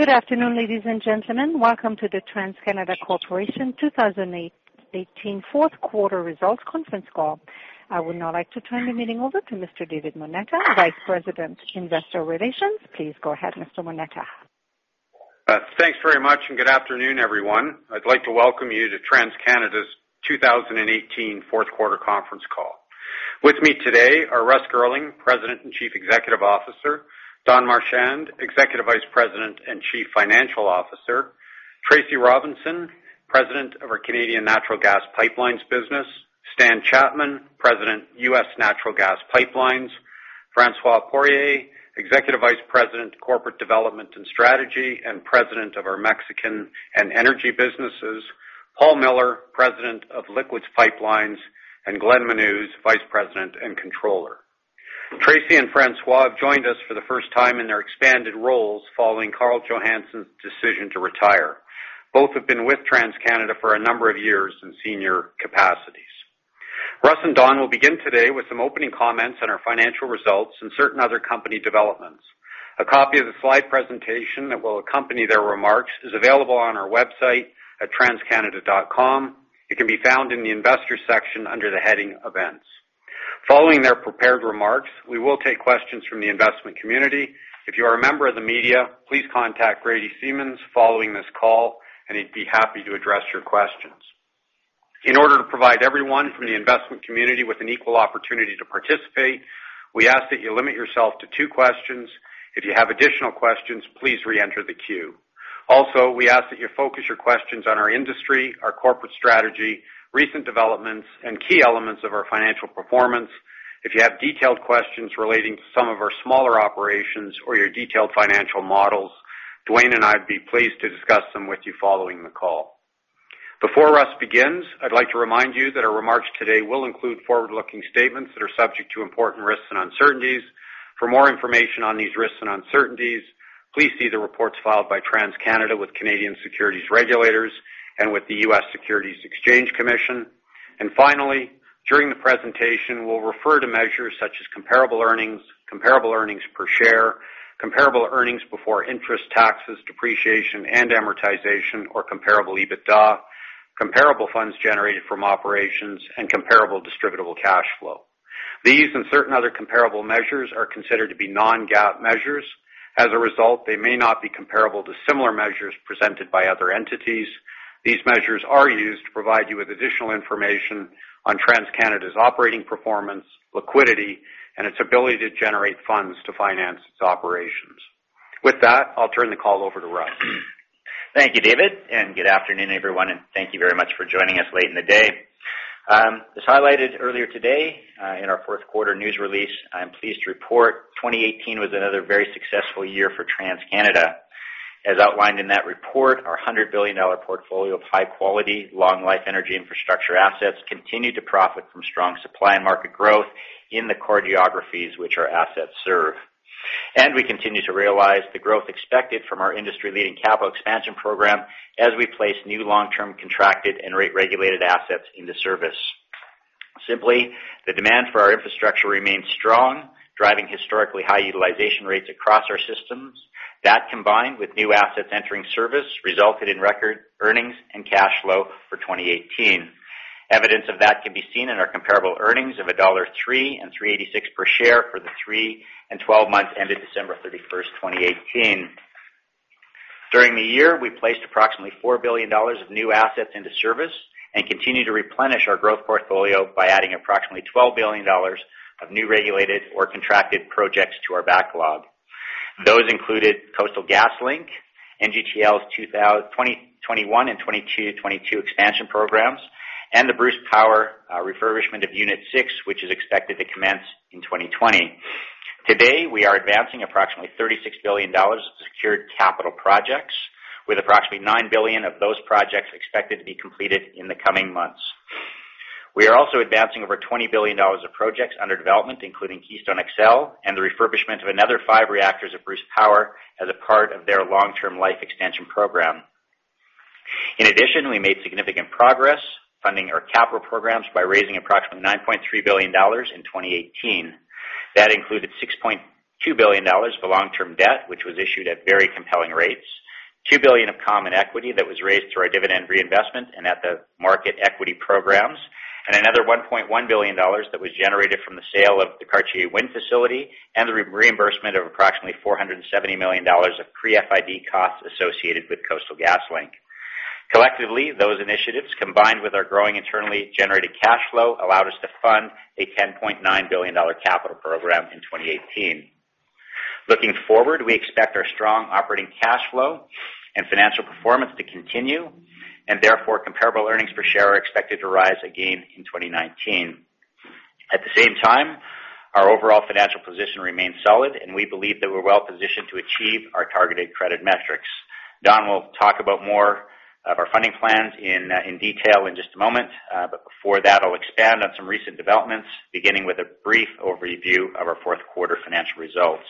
Good afternoon, ladies and gentlemen. Welcome to the TransCanada Corporation 2018 fourth quarter results conference call. I would now like to turn the meeting over to Mr. David Moneta, Vice President, Investor Relations. Please go ahead, Mr. Moneta. Thanks very much. Good afternoon, everyone. I'd like to welcome you to TransCanada Corporation's 2018 fourth quarter conference call. With me today are Russ Girling, President and Chief Executive Officer, Don Marchand, Executive Vice President and Chief Financial Officer, Tracy Robinson, President of our Canadian Natural Gas Pipelines business, Stan Chapman, President, U.S. Natural Gas Pipelines, François Poirier, Executive Vice President, Corporate Development and Strategy and President of our Mexican and Energy businesses, Paul Miller, President of Liquids Pipelines, and Glenn Menuz, Vice President and Controller. Tracy and François have joined us for the first time in their expanded roles following Karl Johannson's decision to retire. Both have been with TransCanada Corporation for a number of years in senior capacities. Russ and Don will begin today with some opening comments on our financial results and certain other company developments. A copy of the slide presentation that will accompany their remarks is available on our website at transcanada.com. It can be found in the investor section under the heading Events. Following their prepared remarks, we will take questions from the investment community. If you are a member of the media, please contact Grady Semmens following this call and he'd be happy to address your questions. In order to provide everyone from the investment community with an equal opportunity to participate, we ask that you limit yourself to two questions. If you have additional questions, please re-enter the queue. We ask that you focus your questions on our industry, our corporate strategy, recent developments, and key elements of our financial performance. If you have detailed questions relating to some of our smaller operations or your detailed financial models, Dwayne and I'd be pleased to discuss them with you following the call. Before Russ begins, I'd like to remind you that our remarks today will include forward-looking statements that are subject to important risks and uncertainties. For more information on these risks and uncertainties, please see the reports filed by TransCanada Corporation with Canadian securities regulators and with the U.S. Securities and Exchange Commission. Finally, during the presentation, we'll refer to measures such as comparable earnings, comparable earnings per share, comparable earnings before interest, taxes, depreciation, and amortization or comparable EBITDA, comparable funds generated from operations, and comparable distributable cash flow. These and certain other comparable measures are considered to be non-GAAP measures. As a result, they may not be comparable to similar measures presented by other entities. These measures are used to provide you with additional information on TransCanada's operating performance, liquidity, and its ability to generate funds to finance its operations. With that, I'll turn the call over to Russ. Thank you, David, Good afternoon, everyone, Thank you very much for joining us late in the day. As highlighted earlier today, in our fourth quarter news release, I'm pleased to report 2018 was another very successful year for TransCanada Corporation. As outlined in that report, our 100 billion dollar portfolio of high-quality, long-life energy infrastructure assets continued to profit from strong supply and market growth in the core geographies which our assets serve. We continue to realize the growth expected from our industry-leading capital expansion program as we place new long-term contracted and rate-regulated assets into service. Simply, the demand for our infrastructure remains strong, driving historically high utilization rates across our systems. That, combined with new assets entering service, resulted in record earnings and cash flow for 2018. Evidence of that can be seen in our comparable earnings of dollar 1.03 and 3.86 per share for the three and 12 months ended December 31st, 2018. During the year, we placed approximately 4 billion dollars of new assets into service and continued to replenish our growth portfolio by adding approximately 12 billion dollars of new regulated or contracted projects to our backlog. Those included Coastal GasLink, NGTL's 2021 and 2022 expansion programs, and the Bruce Power refurbishment of Unit 6, which is expected to commence in 2020. Today, we are advancing approximately 36 billion dollars of secured capital projects, with approximately 9 billion of those projects expected to be completed in the coming months. We are also advancing over 20 billion dollars of projects under development, including Keystone XL and the refurbishment of another five reactors at Bruce Power as a part of their long-term life extension program. In addition, we made significant progress funding our capital programs by raising approximately 9.3 billion dollars in 2018. That included 6.2 billion dollars of long-term debt, which was issued at very compelling rates, 2 billion of common equity that was raised through our dividend reinvestment and at the market equity programs, and another 1.1 billion dollars that was generated from the sale of the Cartier Wind facility and the reimbursement of approximately 470 million dollars of pre-FID costs associated with Coastal GasLink. Collectively, those initiatives, combined with our growing internally generated cash flow, allowed us to fund a 10.9 billion dollar capital program in 2018. Looking forward, we expect our strong operating cash flow and financial performance to continue, Therefore, comparable earnings per share are expected to rise again in 2019. At the same time, our overall financial position remains solid, We believe that we're well-positioned to achieve our targeted credit metrics. Don will talk about more of our funding plans in detail in just a moment. Before that, I'll expand on some recent developments, beginning with a brief overview of our fourth quarter financial results.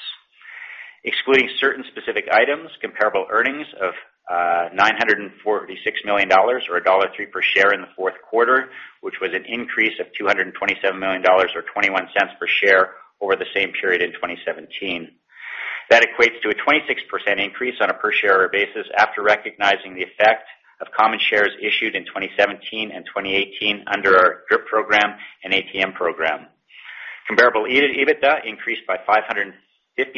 Excluding certain specific items, comparable earnings of 946 million dollars or dollar 1.03 per share in the fourth quarter, which was an increase of 227 million dollars or 0.21 per share over the same period in 2017. That equates to a 26% increase on a per-share basis after recognizing the effect of common shares issued in 2017 and 2018 under our DRIP program and ATM program. Comparable EBITDA increased by 550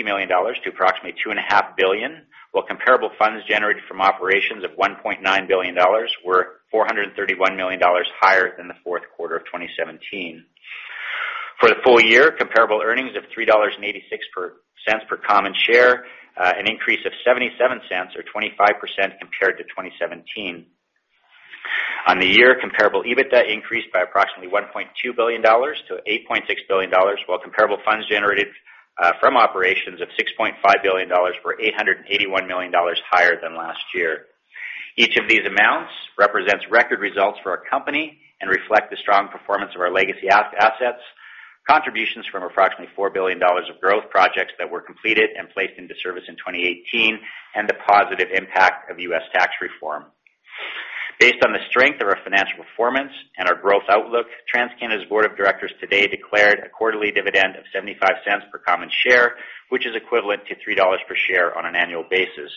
million dollars to approximately 2.5 billion, while comparable funds generated from operations of 1.9 billion dollars were 431 million dollars higher than the fourth quarter of 2017. For the full year, comparable earnings of 3.86 dollars per common share, an increase of 0.77 or 25% compared to 2017. On the year, comparable EBITDA increased by approximately 1.2 billion-8.6 billion dollars, while comparable funds generated from operations of 6.5 billion dollars were 881 million dollars higher than last year. Each of these amounts represents record results for our company and reflect the strong performance of our legacy assets, contributions from approximately 4 billion dollars of growth projects that were completed and placed into service in 2018, and the positive impact of U.S. tax reform. Based on the strength of our financial performance and our growth outlook, TransCanada Corporation's board of directors today declared a quarterly dividend of 0.75 per common share, which is equivalent to 3 dollars per share on an annual basis.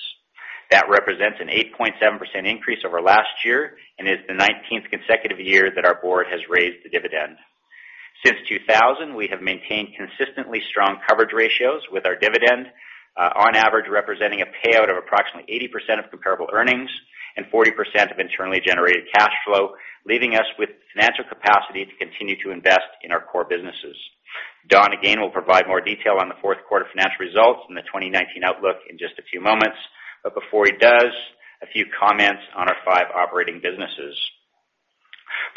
That represents an 8.7% increase over last year and is the 19th consecutive year that our board has raised the dividend. Since 2000, we have maintained consistently strong coverage ratios with our dividend on average, representing a payout of approximately 80% of comparable earnings and 40% of internally generated cash flow, leaving us with financial capacity to continue to invest in our core businesses. Don, again, will provide more detail on the fourth quarter financial results and the 2019 outlook in just a few moments. Before he does, a few comments on our five operating businesses.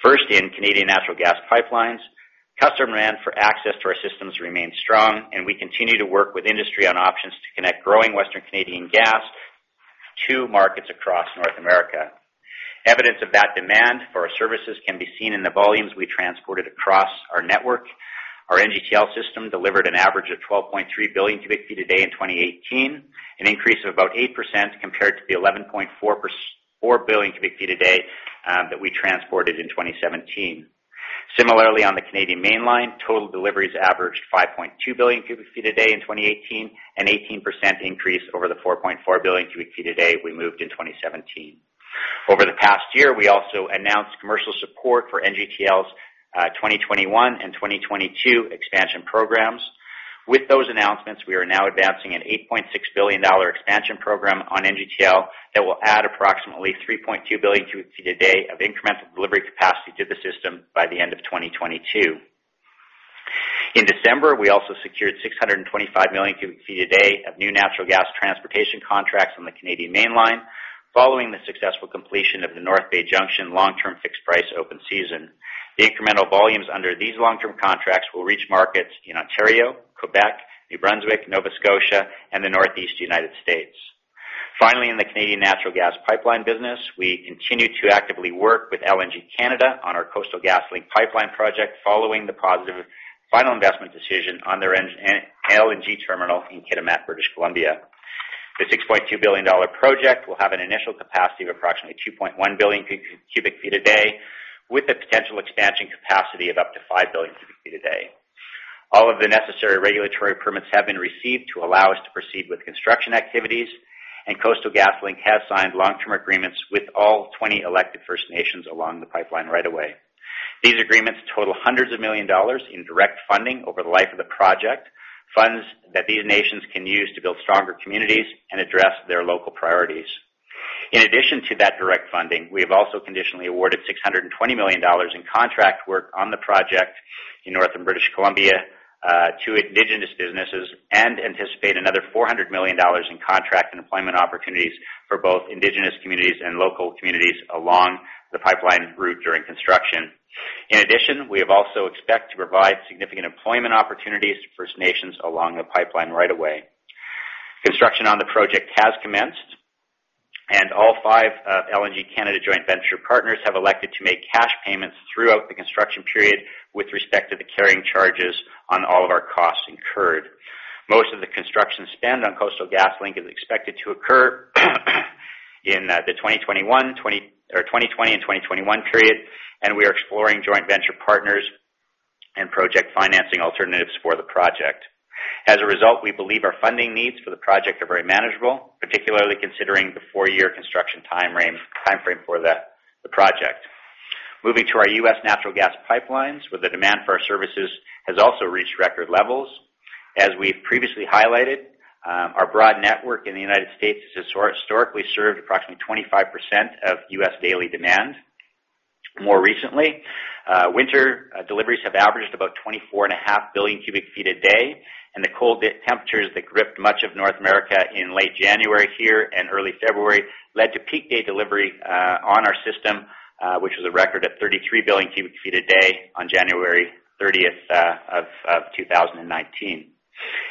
First, in Canadian Natural Gas Pipelines, customer demand for access to our systems remains strong and we continue to work with industry on options to connect growing Western Canadian gas to markets across North America. Evidence of that demand for our services can be seen in the volumes we transported across our network. Our NGTL system delivered an average of 12.3 billion cu ft a day in 2018, an increase of about 8% compared to the 11.4 billion cu ft a day that we transported in 2017. Similarly, on the Canadian Mainline, total deliveries averaged 5.2 billion cu ft a day in 2018, an 18% increase over the 4.4 billion cu ft a day we moved in 2017. Over the past year, we also announced commercial support for NGTL's 2021 and 2022 expansion programs. With those announcements, we are now advancing an 8.6 billion dollar expansion program on NGTL that will add approximately 3.2 billion cu ft a day of incremental delivery capacity to the system by the end of 2022. In December, we also secured 625 million cu ft a day of new natural gas transportation contracts on the Canadian Mainline, following the successful completion of the North Bay Junction Long-Term Fixed Price Open Season. The incremental volumes under these long-term contracts will reach markets in Ontario, Quebec, New Brunswick, Nova Scotia, and the Northeast U.S. Finally, in the Canadian natural gas pipeline business, we continue to actively work with LNG Canada on our Coastal GasLink pipeline project following the positive final investment decision on their LNG terminal in Kitimat, British Columbia. The CAD 6.2 billion project will have an initial capacity of approximately 2.1 billion cu ft a day with a potential expansion capacity of up to 5 billion cu ft a day. All of the necessary regulatory permits have been received to allow us to proceed with construction activities. Coastal GasLink has signed long-term agreements with all 20 elected First Nations along the pipeline right away. These agreements total hundreds of million CAD in direct funding over the life of the project, funds that these nations can use to build stronger communities and address their local priorities. In addition to that direct funding, we have also conditionally awarded 620 million dollars in contract work on the project in North and British Columbia to Indigenous businesses and anticipate another 400 million dollars in contract and employment opportunities for both Indigenous communities and local communities along the pipeline route during construction. In addition, we have also expect to provide significant employment opportunities to First Nations along the pipeline right away. Construction on the project has commenced. All five LNG Canada joint venture partners have elected to make cash payments throughout the construction period with respect to the carrying charges on all of our costs incurred. Most of the construction spend on Coastal GasLink is expected to occur in the 2020 and 2021 period. We are exploring joint venture partners and project financing alternatives for the project. As a result, we believe our funding needs for the project are very manageable, particularly considering the four-year construction timeframe for the project. Moving to our U.S. Natural Gas Pipelines, where the demand for our services has also reached record levels. As we've previously highlighted, our broad network in the U.S. has historically served approximately 25% of U.S. daily demand. More recently, winter deliveries have averaged about 24.5 billion cu ft a day. The cold temperatures that gripped much of North America in late January here and early February led to peak day delivery on our system, which was a record of 33 billion cu ft a day on January 30th of 2019.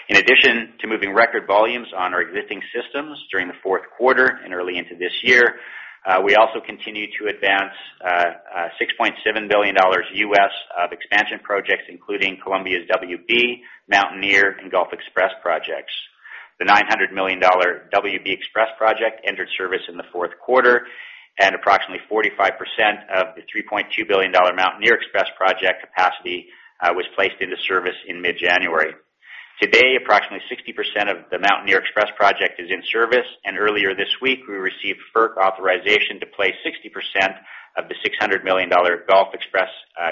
In addition to moving record volumes on our existing systems during the fourth quarter and early into this year, we also continue to advance $6.7 billion of expansion projects, including Columbia's WB XPress, Mountaineer XPress, and Gulf XPress projects. The 900 million dollar WB XPress project entered service in the fourth quarter. Approximately 45% of the $3.2 billion Mountaineer XPress project capacity was placed into service in mid-January. Today, approximately 60% of the Mountaineer XPress project is in service. Earlier this week, we received FERC authorization to place 60% of the 600 million dollar Gulf XPress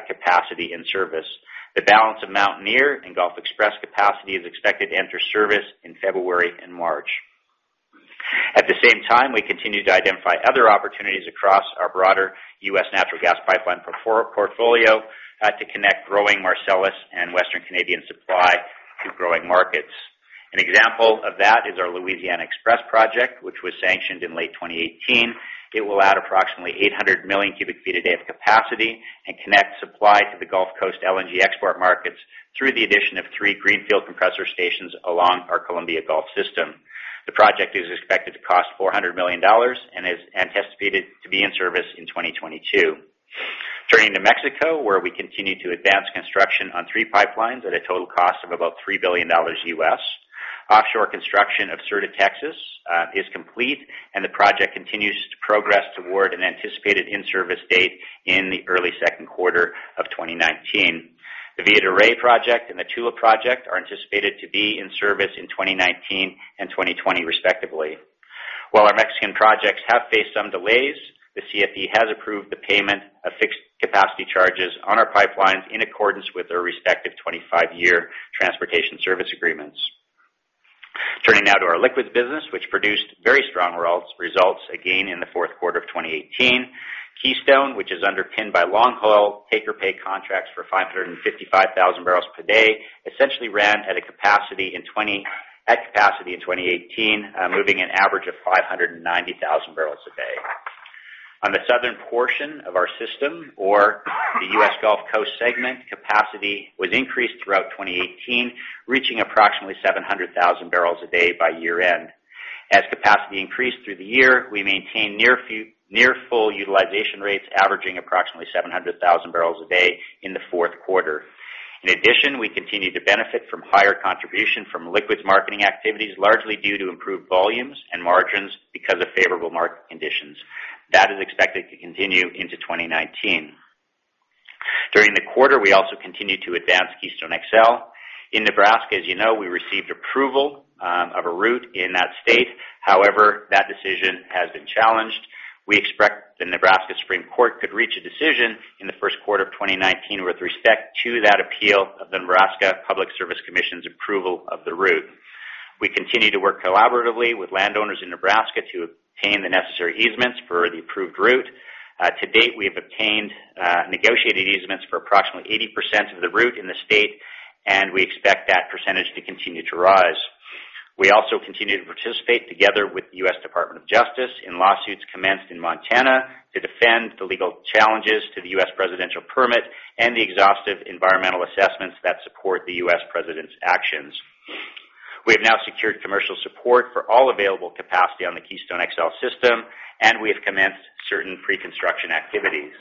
capacity in service. The balance of Mountaineer XPress and Gulf XPress capacity is expected to enter service in February and March. At the same time, we continue to identify other opportunities across our broader U.S. natural gas pipeline portfolio to connect growing Marcellus and Western Canadian supply to growing markets. An example of that is our Louisiana XPress project, which was sanctioned in late 2018. It will add approximately 800 million cu ft a day of capacity and connect supply to the Gulf Coast LNG export markets through the addition of three greenfield compressor stations along our Columbia Gulf system. The project is expected to cost 400 million dollars and is anticipated to be in service in 2022. Turning to Mexico, where we continue to advance construction on three pipelines at a total cost of about $3 billion. Offshore construction of Sur de Texas is complete, and the project continues to progress toward an anticipated in-service date in the early second quarter of 2019. The Villa de Reyes project and the Tula project are anticipated to be in service in 2019 and 2020, respectively. While our Mexican projects have faced some delays, the CFE has approved the payment of fixed capacity charges on our pipelines in accordance with their respective 25-year transportation service agreements. Turning now to our liquids business, which produced very strong results again in the fourth quarter of 2018. Keystone, which is underpinned by long-haul take-or-pay contracts for 555,000 bbl per day, essentially ran at capacity in 2018, moving an average of 590,000 bbl a day. On the southern portion of our system or the U.S. Gulf Coast segment, capacity was increased throughout 2018, reaching approximately 700,000 bbl a day by year-end. As capacity increased through the year, we maintained near full utilization rates, averaging approximately 700,000 bbl a day in the fourth quarter. In addition, we continued to benefit from higher contribution from liquids marketing activities, largely due to improved volumes and margins because of favorable market conditions. That is expected to continue into 2019. During the quarter, we also continued to advance Keystone XL. In Nebraska, as you know, we received approval of a route in that state. That decision has been challenged. We expect the Nebraska Supreme Court could reach a decision in the first quarter of 2019 with respect to that appeal of the Nebraska Public Service Commission's approval of the route. We continue to work collaboratively with landowners in Nebraska to obtain the necessary easements for the approved route. To date, we have obtained negotiated easements for approximately 80% of the route in the state, and we expect that percentage to continue to rise. We also continue to participate together with the U.S. Department of Justice in lawsuits commenced in Montana to defend the legal challenges to the U.S. presidential permit and the exhaustive environmental assessments that support the U.S. president's actions. We have now secured commercial support for all available capacity on the Keystone XL system, and we have commenced certain pre-construction activities.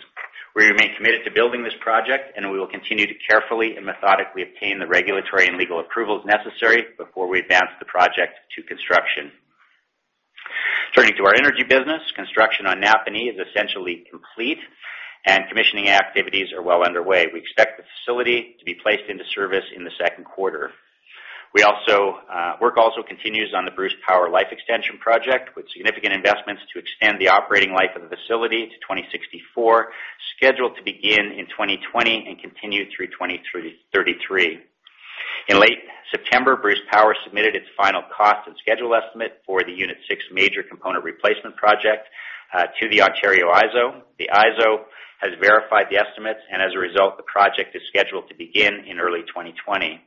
We remain committed to building this project, and we will continue to carefully and methodically obtain the regulatory and legal approvals necessary before we advance the project to construction. Turning to our energy business, construction on Napanee is essentially complete, and commissioning activities are well underway. We expect the facility to be placed into service in the second quarter. Work also continues on the Bruce Power Life Extension project, with significant investments to extend the operating life of the facility to 2064, scheduled to begin in 2020 and continue through 2033. In late September, Bruce Power submitted its final cost and schedule estimate for the Unit 6 Major Component Replacement project to the Ontario IESO. The IESO has verified the estimates, and as a result, the project is scheduled to begin in early 2020.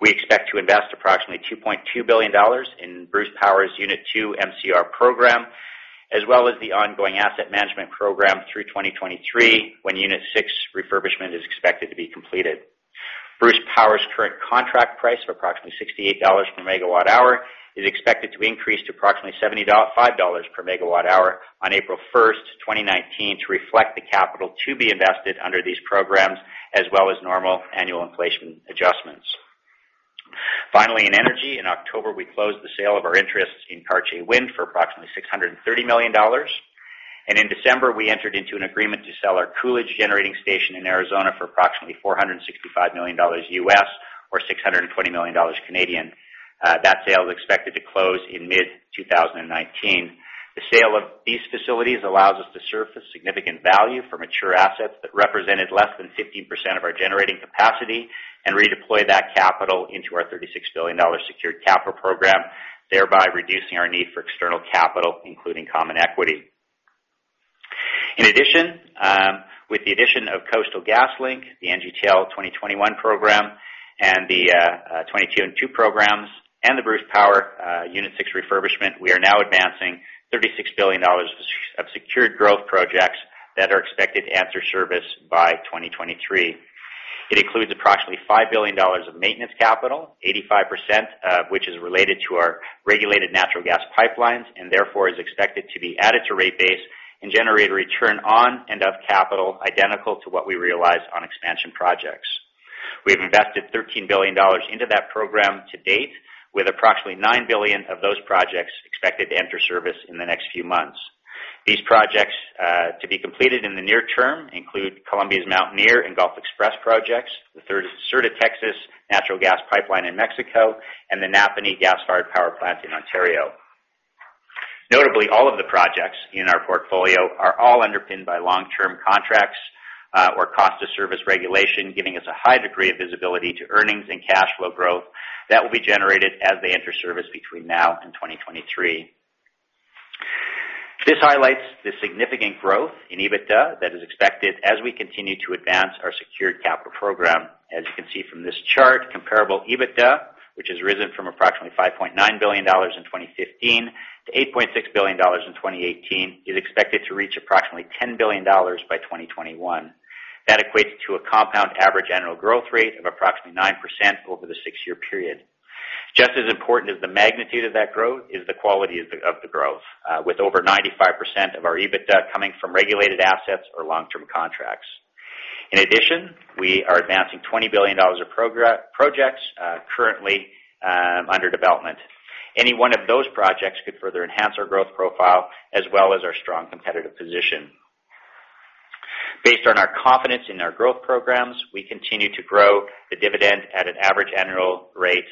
We expect to invest approximately 2.2 billion dollars in Bruce Power's Unit 2 MCR program, as well as the ongoing asset management program through 2023, when Unit 6 refurbishment is expected to be completed. Bruce Power's current contract price of approximately 68 dollars per MWh is expected to increase to approximately 75 dollars per MWh on April 1st, 2019, to reflect the capital to be invested under these programs, as well as normal annual inflation adjustments. Finally, in energy, in October, we closed the sale of our interests in Cartier Wind for approximately 630 million dollars. In December, we entered into an agreement to sell our Coolidge Generating Station in Arizona for approximately $465 million or 620 million Canadian dollars Canadian. That sale is expected to close in mid-2019. The sale of these facilities allows us to surface significant value for mature assets that represented less than 15% of our generating capacity and redeploy that capital into our 36 billion dollar secured capital program, thereby reducing our need for external capital, including common equity. In addition, with the addition of Coastal GasLink, the NGTL 2021 program and the 22 and two programs, and the Bruce Power Unit 6 refurbishment, we are now advancing 36 billion dollars of secured growth projects that are expected to enter service by 2023. It includes approximately 5 billion dollars of maintenance capital, 85% of which is related to our regulated Natural Gas Pipelines, and therefore is expected to be added to rate base and generate a return on and of capital identical to what we realize on expansion projects. We've invested 13 billion dollars into that program to date, with approximately 9 billion of those projects expected to enter service in the next few months. These projects to be completed in the near term include Columbia's Mountaineer XPress and Gulf XPress projects, the third Sur de Texas natural gas pipeline in Mexico, and the Napanee gas-fired power plant in Ontario. Notably, all of the projects in our portfolio are all underpinned by long-term contracts or cost-of-service regulation, giving us a high degree of visibility to earnings and cash flow growth that will be generated as they enter service between now and 2023. This highlights the significant growth in EBITDA that is expected as we continue to advance our secured capital program. As you can see from this chart, comparable EBITDA, which has risen from approximately 5.9 billion dollars in 2015 to 8.6 billion dollars in 2018, is expected to reach approximately 10 billion dollars by 2021. That equates to a compound average annual growth rate of approximately 9% over the six-year period. Just as important as the magnitude of that growth is the quality of the growth, with over 95% of our EBITDA coming from regulated assets or long-term contracts. In addition, we are advancing 20 billion dollars of projects currently under development. Any one of those projects could further enhance our growth profile as well as our strong competitive position. Based on our confidence in our growth programs, we expect to continue to grow the dividend at an average annual rate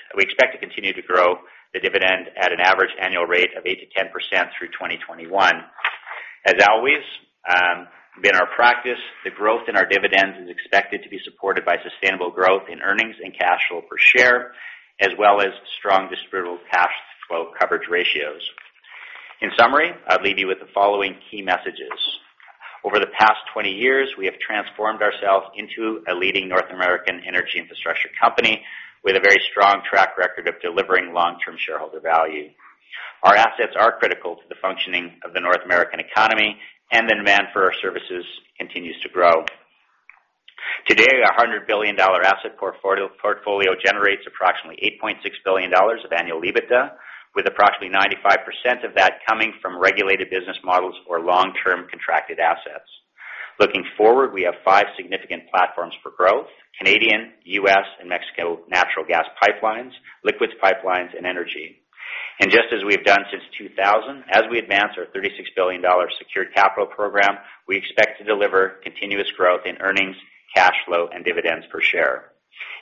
of 8%-10% through 2021. As always, been our practice, the growth in our dividends is expected to be supported by sustainable growth in earnings and cash flow per share, as well as strong distributable cash flow coverage ratios. In summary, I'll leave you with the following key messages. Over the past 20 years, we have transformed ourselves into a leading North American energy infrastructure company with a very strong track record of delivering long-term shareholder value. The demand for our services continues to grow. Today, our 100 billion dollar asset portfolio generates approximately 8.6 billion dollars of annual EBITDA, with approximately 95% of that coming from regulated business models or long-term contracted assets. Looking forward, we have five significant platforms for growth: Canadian, U.S., and Mexico Natural Gas Pipelines, Liquids Pipelines & Energy. Just as we have done since 2000, as we advance our 36 billion dollar secured capital program, we expect to deliver continuous growth in earnings, cash flow, and dividends per share.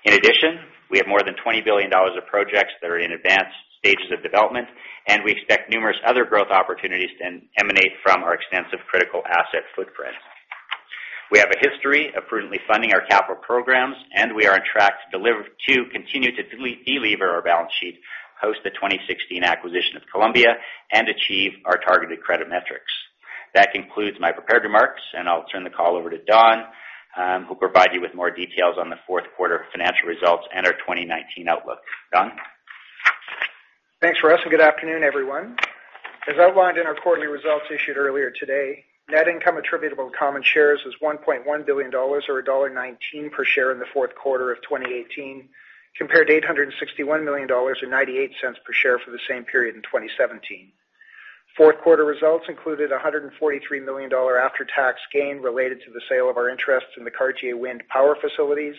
In addition, we have more than 20 billion dollars of projects that are in advanced stages of development, and we expect numerous other growth opportunities to emanate from our extensive critical asset footprint. We have a history of prudently funding our capital programs, and we are on track to continue to delever our balance sheet, post the 2016 acquisition of Columbia and achieve our targeted credit metrics. That concludes my prepared remarks, and I'll turn the call over to Don, who'll provide you with more details on the fourth quarter financial results and our 2019 outlook. Don? Thanks, Russ. Good afternoon, everyone. As outlined in our quarterly results issued earlier today, net income attributable to common shares was 1.1 billion dollars or dollar 1.19 per share in the fourth quarter of 2018, compared to 861 million dollars or 0.98 per share for the same period in 2017. Fourth quarter results included 143 million dollar after-tax gain related to the sale of our interests in the Cartier Wind Power facilities,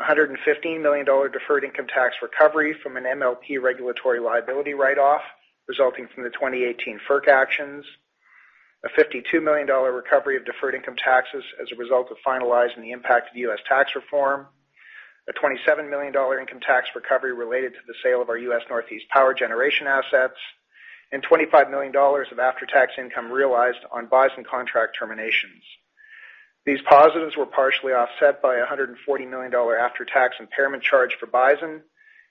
115 million dollar deferred income tax recovery from an MLP regulatory liability write-off resulting from the 2018 FERC actions, a 52 million dollar recovery of deferred income taxes as a result of finalizing the impact of U.S. tax reform, a 27 million dollar income tax recovery related to the sale of our U.S. Northeast power generation assets, and 25 million dollars of after-tax income realized on Bison contract terminations. These positives were partially offset by 140 million dollar after-tax impairment charge for Bison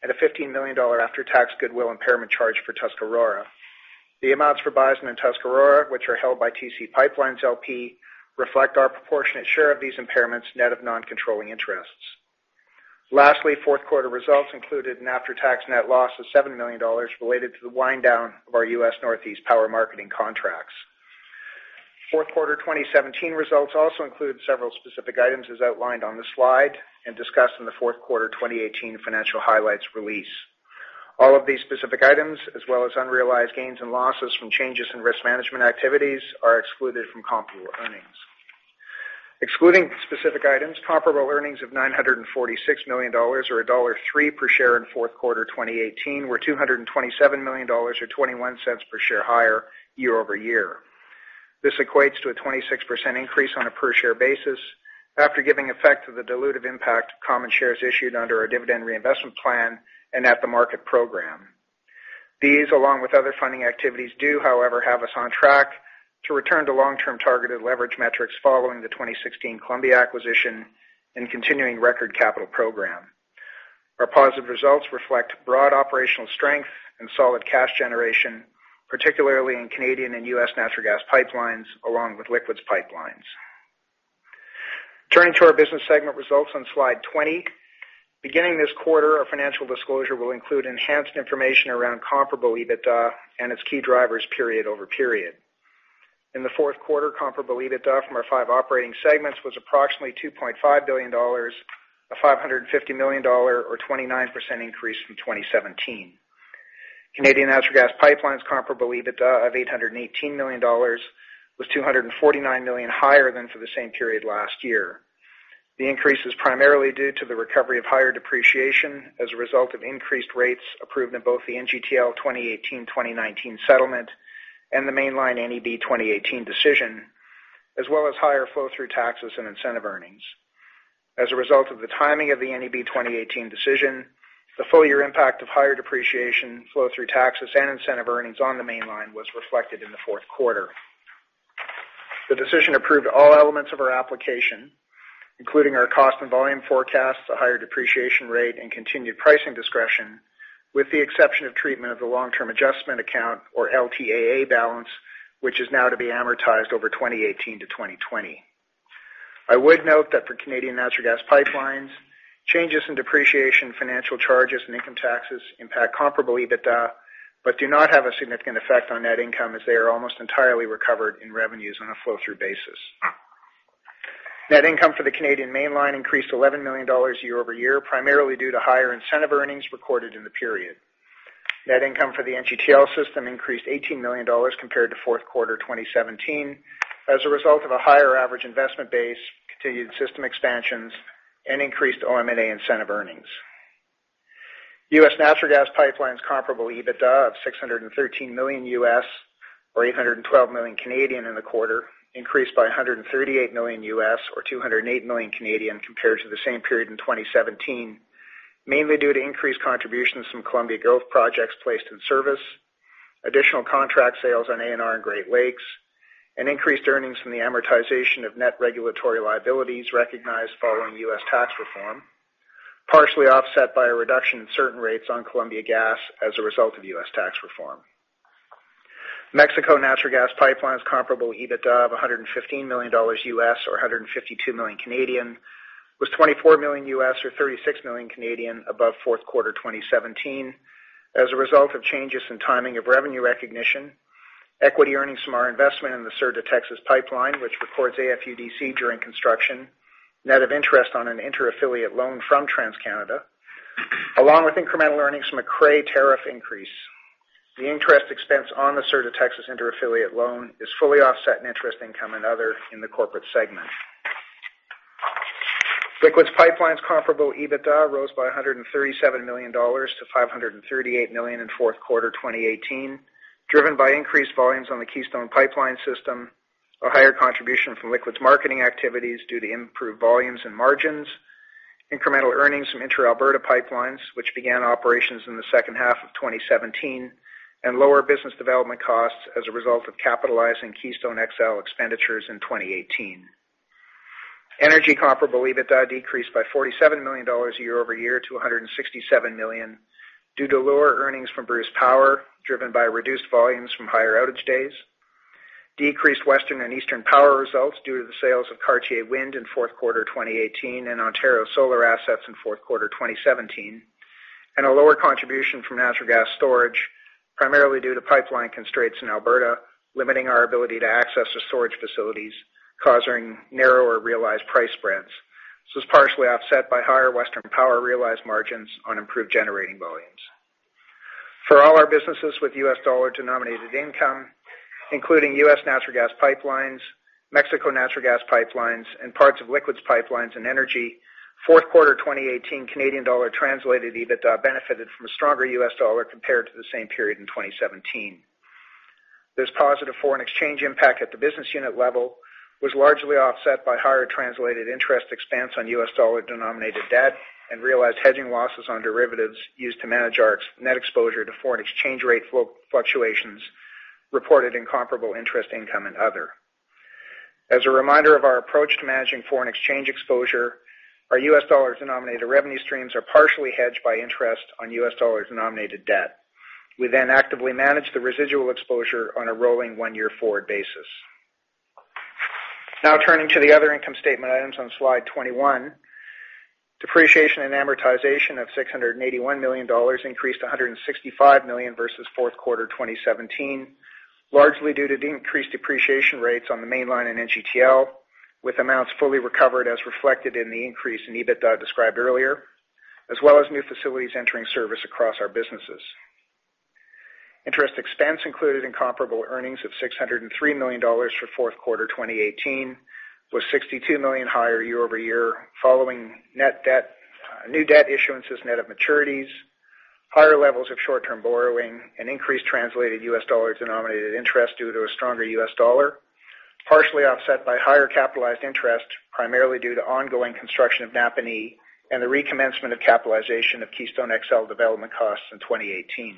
and a 15 million dollar after-tax goodwill impairment charge for Tuscarora. The amounts for Bison and Tuscarora, which are held by TC PipeLines, LP, reflect our proportionate share of these impairments net of non-controlling interests. Lastly, fourth quarter results included an after-tax net loss of 7 million dollars related to the wind-down of our U.S. Northeast power marketing contracts. Fourth quarter 2017 results also include several specific items as outlined on the slide and discussed in the fourth quarter 2018 financial highlights release. All of these specific items, as well as unrealized gains and losses from changes in risk management activities, are excluded from comparable earnings. Excluding specific items, comparable earnings of 946 million dollars or dollar 1.03 per share in fourth quarter 2018 were 227 million dollars or 0.21 per share higher year-over-year. This equates to a 26% increase on a per-share basis after giving effect to the dilutive impact of common shares issued under our Dividend Reinvestment Plan and at-the-market program. These, along with other funding activities, do, however, have us on track to return to long-term targeted leverage metrics following the 2016 Columbia acquisition and continuing record capital program. Our positive results reflect broad operational strength and solid cash generation, particularly in Canadian and U.S. Natural Gas Pipelines, along with Liquids Pipelines. Turning to our business segment results on slide 20. Beginning this quarter, our financial disclosure will include enhanced information around comparable EBITDA and its key drivers period over period. In the fourth quarter, comparable EBITDA from our five operating segments was approximately 2.5 billion dollars, a 550 million dollar or 29% increase from 2017. Canadian Natural Gas Pipelines comparable EBITDA of 818 million dollars was 249 million higher than for the same period last year. The increase is primarily due to the recovery of higher depreciation as a result of increased rates approved in both the NGTL 2018, 2019 settlement and the Mainline NEB 2018 decision, as well as higher flow-through taxes and incentive earnings. As a result of the timing of the NEB 2018 decision, the full-year impact of higher depreciation, flow-through taxes, and incentive earnings on the Mainline was reflected in the fourth quarter. The decision approved all elements of our application, including our cost and volume forecasts, a higher depreciation rate, and continued pricing discretion, with the exception of treatment of the long-term adjustment account or LTAA balance, which is now to be amortized over 2018-2020. I would note that for Canadian Natural Gas Pipelines, changes in depreciation, financial charges, and income taxes impact comparable EBITDA, but do not have a significant effect on net income, as they are almost entirely recovered in revenues on a flow-through basis. Net income for the Canadian Mainline increased 11 million dollars year-over-year, primarily due to higher incentive earnings recorded in the period. Net income for the NGTL system increased 18 million dollars compared to fourth quarter 2017 as a result of a higher average investment base, continued system expansions, and increased OM&A incentive earnings. U.S. Natural Gas Pipelines comparable EBITDA of $613 million or 812 million in the quarter increased by $138 million or 208 million compared to the same period in 2017, mainly due to increased contributions from Columbia Growth projects placed in service, additional contract sales on ANR and Great Lakes, and increased earnings from the amortization of net regulatory liabilities recognized following U.S. Tax Reform, partially offset by a reduction in certain rates on Columbia Gas as a result of U.S. Tax Reform. Mexico Natural Gas Pipelines comparable EBITDA of $115 million or 152 million Canadian dollars was $24 million or 36 million Canadian dollars above fourth quarter 2017 as a result of changes in timing of revenue recognition, equity earnings from our investment in the Sur de Texas pipeline, which records AFUDC during construction, net of interest on an inter-affiliate loan from TransCanada Corporation, along with incremental earnings from a CRE tariff increase. The interest expense on the Sur de Texas inter-affiliate loan is fully offset in interest income and other in the corporate segment. Liquids Pipelines comparable EBITDA rose by 137 million dollars to 538 million in fourth quarter 2018, driven by increased volumes on the Keystone Pipeline System, a higher contribution from liquids marketing activities due to improved volumes and margins, incremental earnings from Intra-Alberta Pipelines, which began operations in the second half of 2017, and lower business development costs as a result of capitalizing Keystone XL expenditures in 2018. Energy comparable EBITDA decreased by 47 million dollars year-over-year to 167 million due to lower earnings from Bruce Power, driven by reduced volumes from higher outage days, decreased Western and Eastern Power results due to the sales of Cartier Wind in fourth quarter 2018 and Ontario Solar assets in fourth quarter 2017, and a lower contribution from natural gas storage, primarily due to pipeline constraints in Alberta, limiting our ability to access the storage facilities, causing narrower realized price spreads. This was partially offset by higher Western Power realized margins on improved generating volumes. For all our businesses with U.S. dollar-denominated income, including U.S. Natural Gas Pipelines, Mexico Natural Gas Pipelines, and parts of Liquids Pipelines & Energy, fourth quarter 2018 Canadian dollar translated EBITDA benefited from a stronger U.S. dollar compared to the same period in 2017. This positive foreign exchange impact at the business unit level was largely offset by higher translated interest expense on U.S. dollar-denominated debt and realized hedging losses on derivatives used to manage our net exposure to foreign exchange rate fluctuations reported in comparable interest income and other. As a reminder of our approach to managing foreign exchange exposure, our U.S. dollar-denominated revenue streams are partially hedged by interest on U.S. dollar-denominated debt. We then actively manage the residual exposure on a rolling one-year forward basis. Now turning to the other income statement items on slide 21. Depreciation and amortization of 681 million dollars increased 165 million versus fourth quarter 2017, largely due to the increased depreciation rates on the Mainline and NGTL, with amounts fully recovered as reflected in the increase in EBITDA described earlier, as well as new facilities entering service across our businesses. Interest expense included in comparable earnings of 603 million dollars for fourth quarter 2018 was 62 million higher year-over-year following new debt issuances net of maturities, higher levels of short-term borrowing, and increased translated U.S. dollar-denominated interest due to a stronger U.S. dollar, partially offset by higher capitalized interest, primarily due to ongoing construction of Napanee and the recommencement of capitalization of Keystone XL development costs in 2018.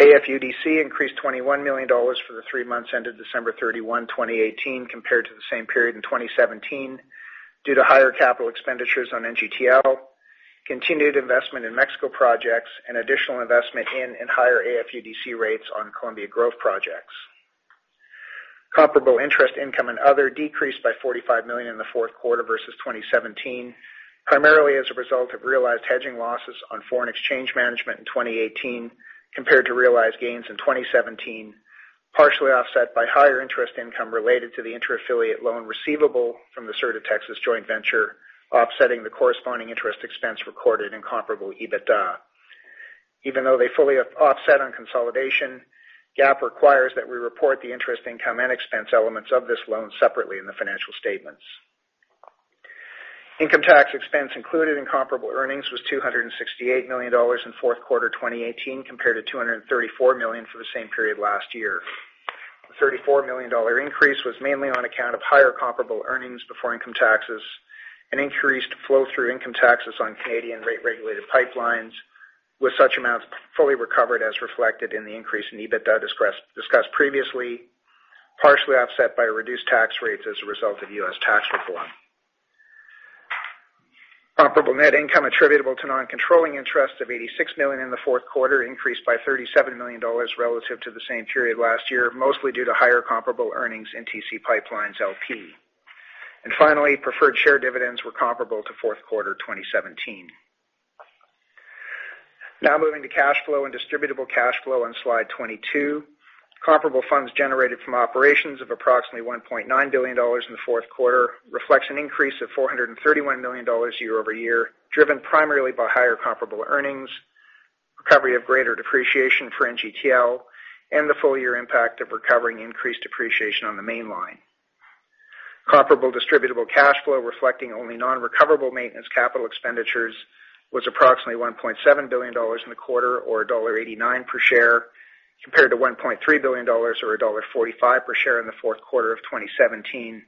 AFUDC increased 21 million dollars for the three months ended December 31, 2018, compared to the same period in 2017, due to higher capital expenditures on NGTL, continued investment in Mexico projects, and additional investment in and higher AFUDC rates on Columbia Growth projects. Comparable interest income and other decreased by 45 million in the fourth quarter versus 2017, primarily as a result of realized hedging losses on foreign exchange management in 2018 compared to realized gains in 2017. Partially offset by higher interest income related to the intra-affiliate loan receivable from the Sur de Texas joint venture, offsetting the corresponding interest expense recorded in comparable EBITDA. Even though they fully offset on consolidation, GAAP requires that we report the interest, income, and expense elements of this loan separately in the financial statements. Income tax expense included in comparable earnings was 268 million dollars in fourth quarter 2018, compared to 234 million for the same period last year. The 34 million dollar increase was mainly on account of higher comparable earnings before income taxes and increased flow-through income taxes on Canadian rate-regulated pipelines, with such amounts fully recovered as reflected in the increase in EBITDA discussed previously, partially offset by reduced tax rates as a result of U.S. tax reform. Comparable net income attributable to non-controlling interests of 86 million in the fourth quarter increased by 37 million dollars relative to the same period last year, mostly due to higher comparable earnings in TC PipeLines, LP. Finally, preferred share dividends were comparable to fourth quarter 2017. Now moving to cash flow and distributable cash flow on slide 22. Comparable funds generated from operations of approximately 1.9 billion dollars in the fourth quarter reflects an increase of 431 million dollars year-over-year, driven primarily by higher comparable earnings, recovery of greater depreciation for NGTL, and the full-year impact of recovering increased depreciation on the Mainline. Comparable distributable cash flow reflecting only non-recoverable maintenance capital expenditures was approximately 1.7 billion dollars in the quarter, or dollar 1.89 per share, compared to 1.3 billion dollars or dollar 1.45 per share in the fourth quarter of 2017,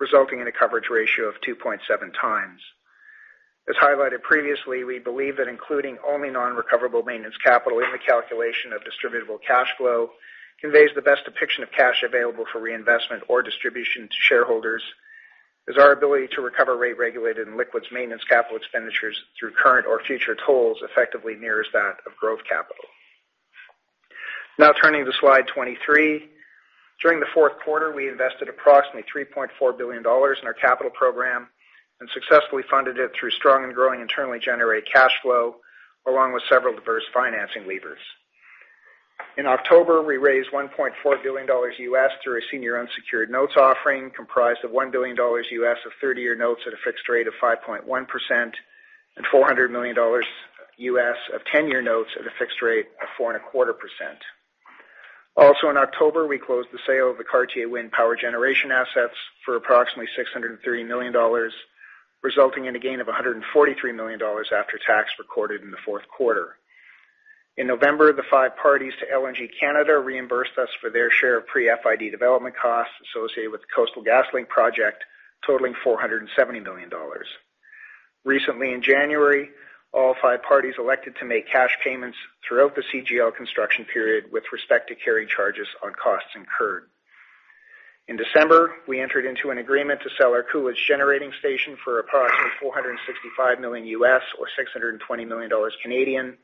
resulting in a coverage ratio of 2.7x. As highlighted previously, we believe that including only non-recoverable maintenance capital in the calculation of distributable cash flow conveys the best depiction of cash available for reinvestment or distribution to shareholders, as our ability to recover rate-regulated and liquids maintenance capital expenditures through current or future tolls effectively mirrors that of growth capital. Now turning to slide 23. During the fourth quarter, we invested approximately 3.4 billion dollars in our capital program and successfully funded it through strong and growing internally generated cash flow, along with several diverse financing levers. In October, we raised $1.4 billion through a senior unsecured notes offering comprised of $1 billion of 30-year notes at a fixed rate of 5.1% and $400 million of 10-year notes at a fixed rate of 4.25%. In October, we closed the sale of the Cartier Wind Power Generation Assets for approximately 630 million dollars, resulting in a gain of 143 million dollars after tax recorded in the fourth quarter. In November, the five parties to LNG Canada reimbursed us for their share of pre-FID development costs associated with the Coastal GasLink project, totaling 470 million dollars. In January, all five parties elected to make cash payments throughout the CGL construction period with respect to carry charges on costs incurred. In December, we entered into an agreement to sell our Coolidge Generating Station for approximately $465 million or 620 million Canadian dollars,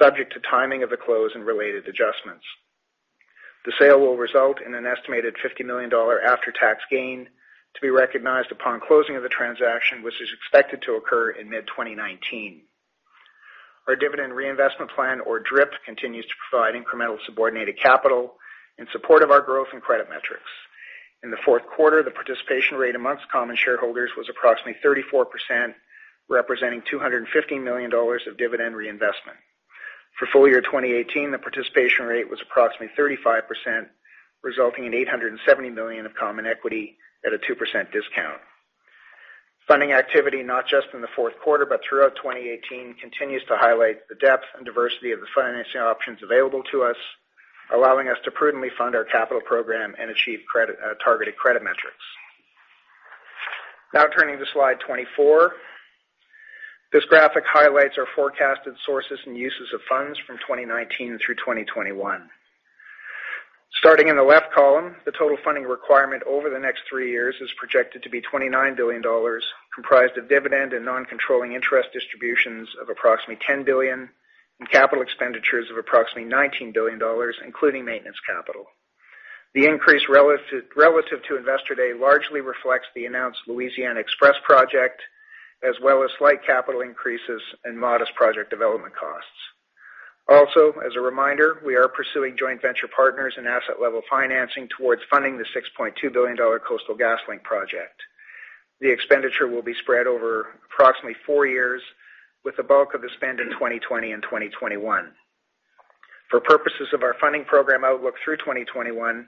subject to timing of the close and related adjustments. The sale will result in an estimated 50 million dollar after-tax gain to be recognized upon closing of the transaction, which is expected to occur in mid-2019. Our Dividend Reinvestment Plan, or DRIP, continues to provide incremental subordinated capital in support of our growth and credit metrics. In the fourth quarter, the participation rate amongst common shareholders was approximately 34%, representing 250 million dollars of dividend reinvestment. For full year 2018, the participation rate was approximately 35%, resulting in 870 million of common equity at a 2% discount. Funding activity, not just in the fourth quarter, but throughout 2018, continues to highlight the depth and diversity of the financing options available to us, allowing us to prudently fund our capital program and achieve targeted credit metrics. Turning to slide 24. This graphic highlights our forecasted sources and uses of funds from 2019 through 2021. Starting in the left column, the total funding requirement over the next three years is projected to be 29 billion dollars, comprised of dividend and non-controlling interest distributions of approximately 10 billion and capital expenditures of approximately 19 billion dollars, including maintenance capital. The increase relative to Investor Day largely reflects the announced Louisiana XPress project, as well as slight capital increases and modest project development costs. As a reminder, we are pursuing joint venture partners in asset level financing towards funding the 6.2 billion dollar Coastal GasLink project. The expenditure will be spread over approximately four years, with the bulk of the spend in 2020 and 2021. For purposes of our funding program outlook through 2021,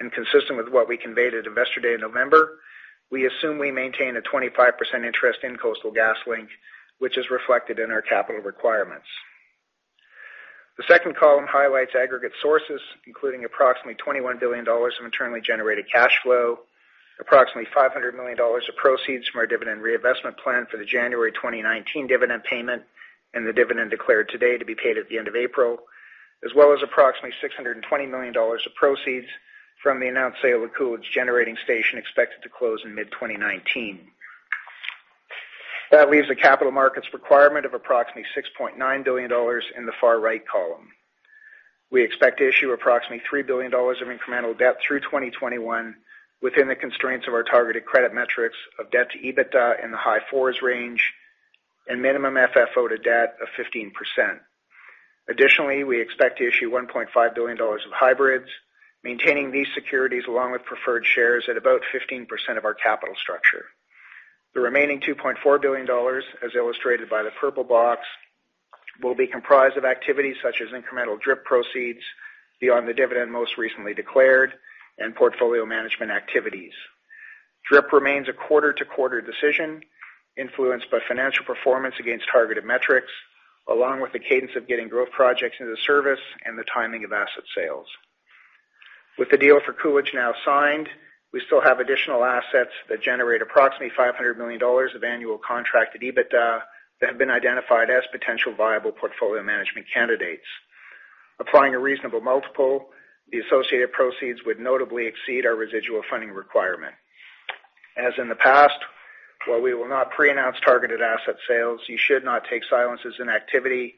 and consistent with what we conveyed at Investor Day in November, we assume we maintain a 25% interest in Coastal GasLink, which is reflected in our capital requirements. The second column highlights aggregate sources, including approximately 21 billion dollars of internally generated cash flow, approximately 500 million dollars of proceeds from our Dividend Reinvestment Plan for the January 2019 dividend payment and the dividend declared today to be paid at the end of April, as well as approximately 620 million dollars of proceeds from the announced sale of the Coolidge Generating Station expected to close in mid-2019. That leaves the capital markets requirement of approximately 6.9 billion dollars in the far-right column. We expect to issue approximately 3 billion dollars of incremental debt through 2021 within the constraints of our targeted credit metrics of debt to EBITDA in the high fours range. Minimum FFO to debt of 15%. Additionally, we expect to issue 1.5 billion dollars of hybrids, maintaining these securities along with preferred shares at about 15% of our capital structure. The remaining 2.4 billion dollars, as illustrated by the purple box, will be comprised of activities such as incremental DRIP proceeds beyond the dividend most recently declared and portfolio management activities. DRIP remains a quarter-to-quarter decision influenced by financial performance against targeted metrics, along with the cadence of getting growth projects into the service and the timing of asset sales. With the deal for Coolidge now signed, we still have additional assets that generate approximately 500 million dollars of annual contracted EBITDA that have been identified as potential viable portfolio management candidates. Applying a reasonable multiple, the associated proceeds would notably exceed our residual funding requirement. As in the past, while we will not pre-announce targeted asset sales, you should not take silence as an activity,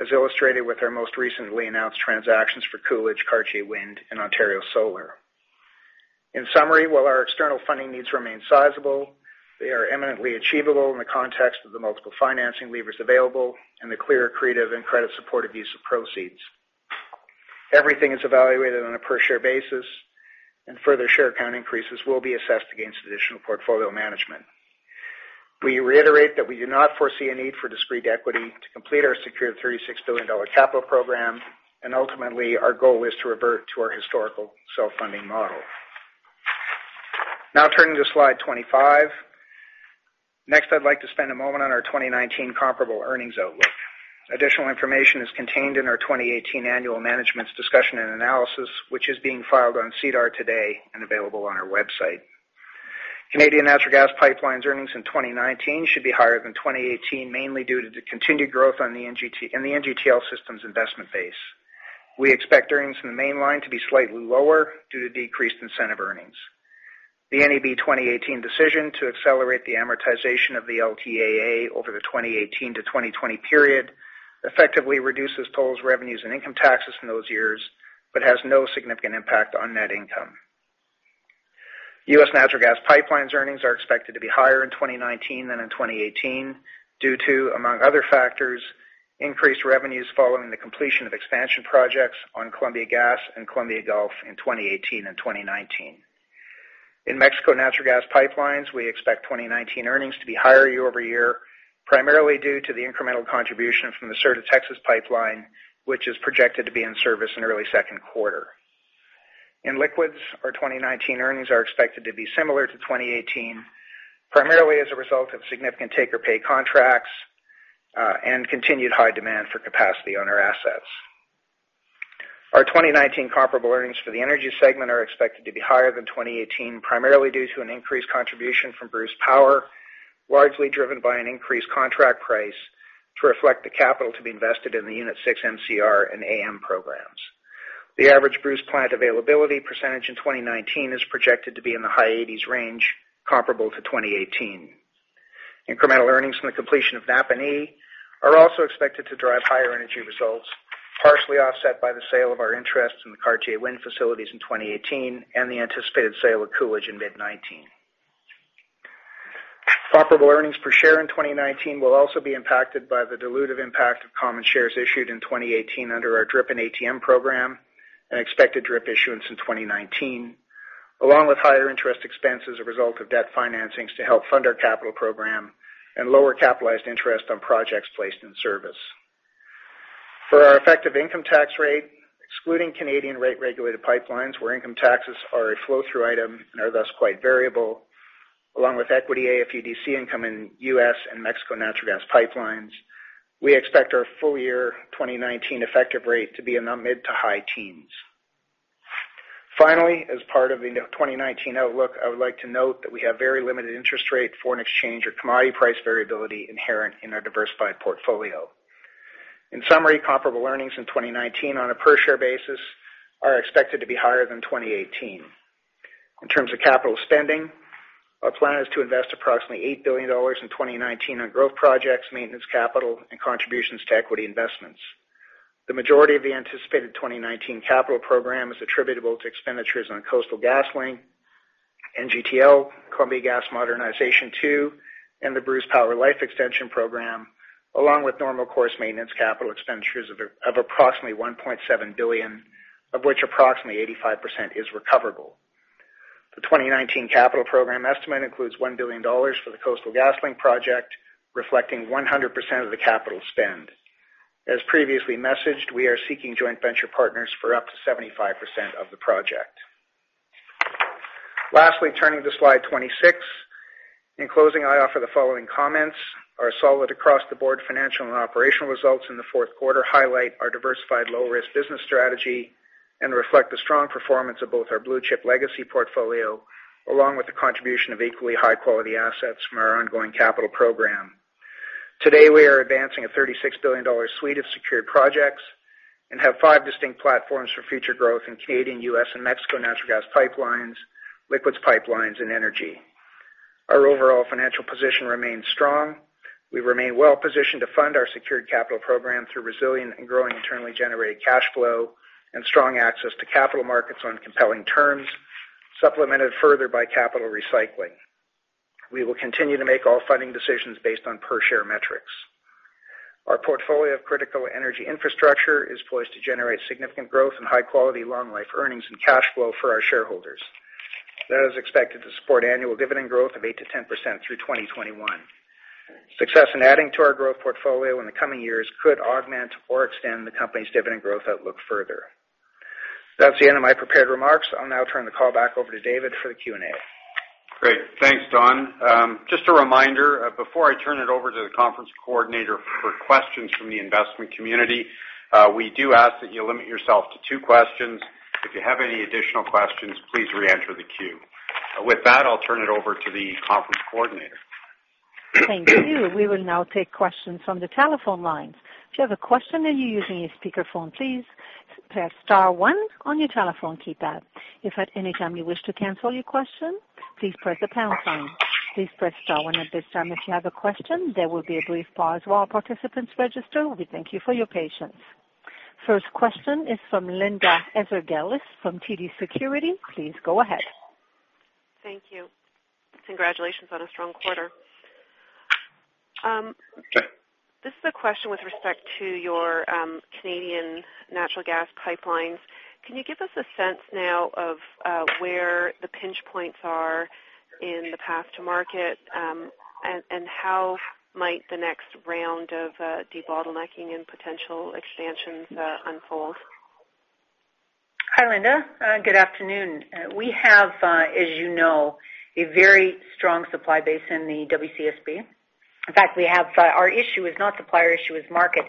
as illustrated with our most recently announced transactions for Coolidge, Cartier Wind, and Ontario Solar. In summary, while our external funding needs remain sizable, they are imminently achievable in the context of the multiple financing levers available and the clear accretive and credit supportive use of proceeds. Everything is evaluated on a per-share basis. Further share count increases will be assessed against additional portfolio management. We reiterate that we do not foresee a need for discrete equity to complete our secured 36 billion dollar capital program, and ultimately, our goal is to revert to our historical self-funding model. Now turning to slide 25. Next, I'd like to spend a moment on our 2019 comparable earnings outlook. Additional information is contained in our 2018 Annual Management's Discussion & Analysis, which is being filed on SEDAR today and available on our website. Canadian Natural Gas Pipelines earnings in 2019 should be higher than 2018, mainly due to the continued growth in the NGTL system's investment base. We expect earnings from the Mainline to be slightly lower due to decreased incentive earnings. The NEB 2018 decision to accelerate the amortization of the LTAA over the 2018-2020 period effectively reduces tolls, revenues, and income taxes in those years, but has no significant impact on net income. U.S. Natural Gas Pipelines earnings are expected to be higher in 2019 than in 2018 due to, among other factors, increased revenues following the completion of expansion projects on Columbia Gas and Columbia Gulf in 2018 and 2019. In Mexico Natural Gas Pipelines, we expect 2019 earnings to be higher year-over-year, primarily due to the incremental contribution from the Sur de Texas pipeline, which is projected to be in service in early second quarter. In Liquids, our 2019 earnings are expected to be similar to 2018, primarily as a result of significant take-or-pay contracts and continued high demand for capacity on our assets. Our 2019 comparable earnings for the Energy segment are expected to be higher than 2018, primarily due to an increased contribution from Bruce Power, largely driven by an increased contract price to reflect the capital to be invested in the Unit 6 MCR and AM programs. The average Bruce plant availability percentage in 2019 is projected to be in the high 80s range, comparable to 2018. Incremental earnings from the completion of Napanee are also expected to drive higher energy results, partially offset by the sale of our interest in the Cartier Wind facilities in 2018 and the anticipated sale of Coolidge in mid 2019. Comparable earnings per share in 2019 will also be impacted by the dilutive impact of common shares issued in 2018 under our DRIP and ATM program and expected DRIP issuance in 2019, along with higher interest expense as a result of debt financings to help fund our capital program and lower capitalized interest on projects placed in service. For our effective income tax rate, excluding Canadian rate regulated pipelines, where income taxes are a flow-through item and are thus quite variable, along with equity AFUDC income in U.S. and Mexico Natural Gas Pipelines, we expect our full-year 2019 effective rate to be in the mid to high teens. As part of the 2019 outlook, I would like to note that we have very limited interest rate foreign exchange or commodity price variability inherent in our diversified portfolio. In summary, comparable earnings in 2019 on a per-share basis are expected to be higher than 2018. In terms of capital spending, our plan is to invest approximately 8 billion dollars in 2019 on growth projects, maintenance capital, and contributions to equity investments. The majority of the anticipated 2019 capital program is attributable to expenditures on Coastal GasLink, NGTL, Columbia Gas Modernization II, and the Bruce Power Life Extension Program, along with normal course maintenance capital expenditures of approximately 1.7 billion, of which approximately 85% is recoverable. The 2019 capital program estimate includes 1 billion dollars for the Coastal GasLink project, reflecting 100% of the capital spend. As previously messaged, we are seeking joint venture partners for up to 75% of the project. Turning to slide 26. In closing, I offer the following comments. Our solid across-the-board financial and operational results in the fourth quarter highlight our diversified low-risk business strategy and reflect the strong performance of both our blue-chip legacy portfolio, along with the contribution of equally high-quality assets from our ongoing capital program. Today, we are advancing a 36 billion dollar suite of secured projects and have five distinct platforms for future growth in Canadian, U.S., and Mexico Natural Gas Pipelines, Liquids Pipelines & Energy. Our overall financial position remains strong. We remain well-positioned to fund our secured capital program through resilient and growing internally generated cash flow and strong access to capital markets on compelling terms. Supplemented further by capital recycling. We will continue to make all funding decisions based on per-share metrics. Our portfolio of critical energy infrastructure is poised to generate significant growth and high-quality, long-life earnings and cash flow for our shareholders. That is expected to support annual dividend growth of 8%-10% through 2021. Success in adding to our growth portfolio in the coming years could augment or extend the company's dividend growth outlook further. That's the end of my prepared remarks. I'll now turn the call back over to David for the Q&A. Great. Thanks, Don. Just a reminder, before I turn it over to the conference coordinator for questions from the investment community, we do ask that you limit yourself to two questions. If you have any additional questions, please re-enter the queue. With that, I will turn it over to the conference coordinator. Thank you. We will now take questions from the telephone lines. If you have a question and you are using a speakerphone, please press star one on your telephone keypad. If at any time you wish to cancel your question, please press the pound sign. Please press star one at this time if you have a question. There will be a brief pause while participants register. We thank you for your patience. First question is from Linda Ezergailis from TD Securities. Please go ahead. Thank you. Congratulations on a strong quarter. Sure. This is a question with respect to your Canadian Natural Gas Pipelines. Can you give us a sense now of where the pinch points are in the path to market? How might the next round of debottlenecking and potential expansions unfold? Hi, Linda. Good afternoon. We have, as you know, a very strong supply base in the WCSB. In fact, our issue is not supplier issue, it's market.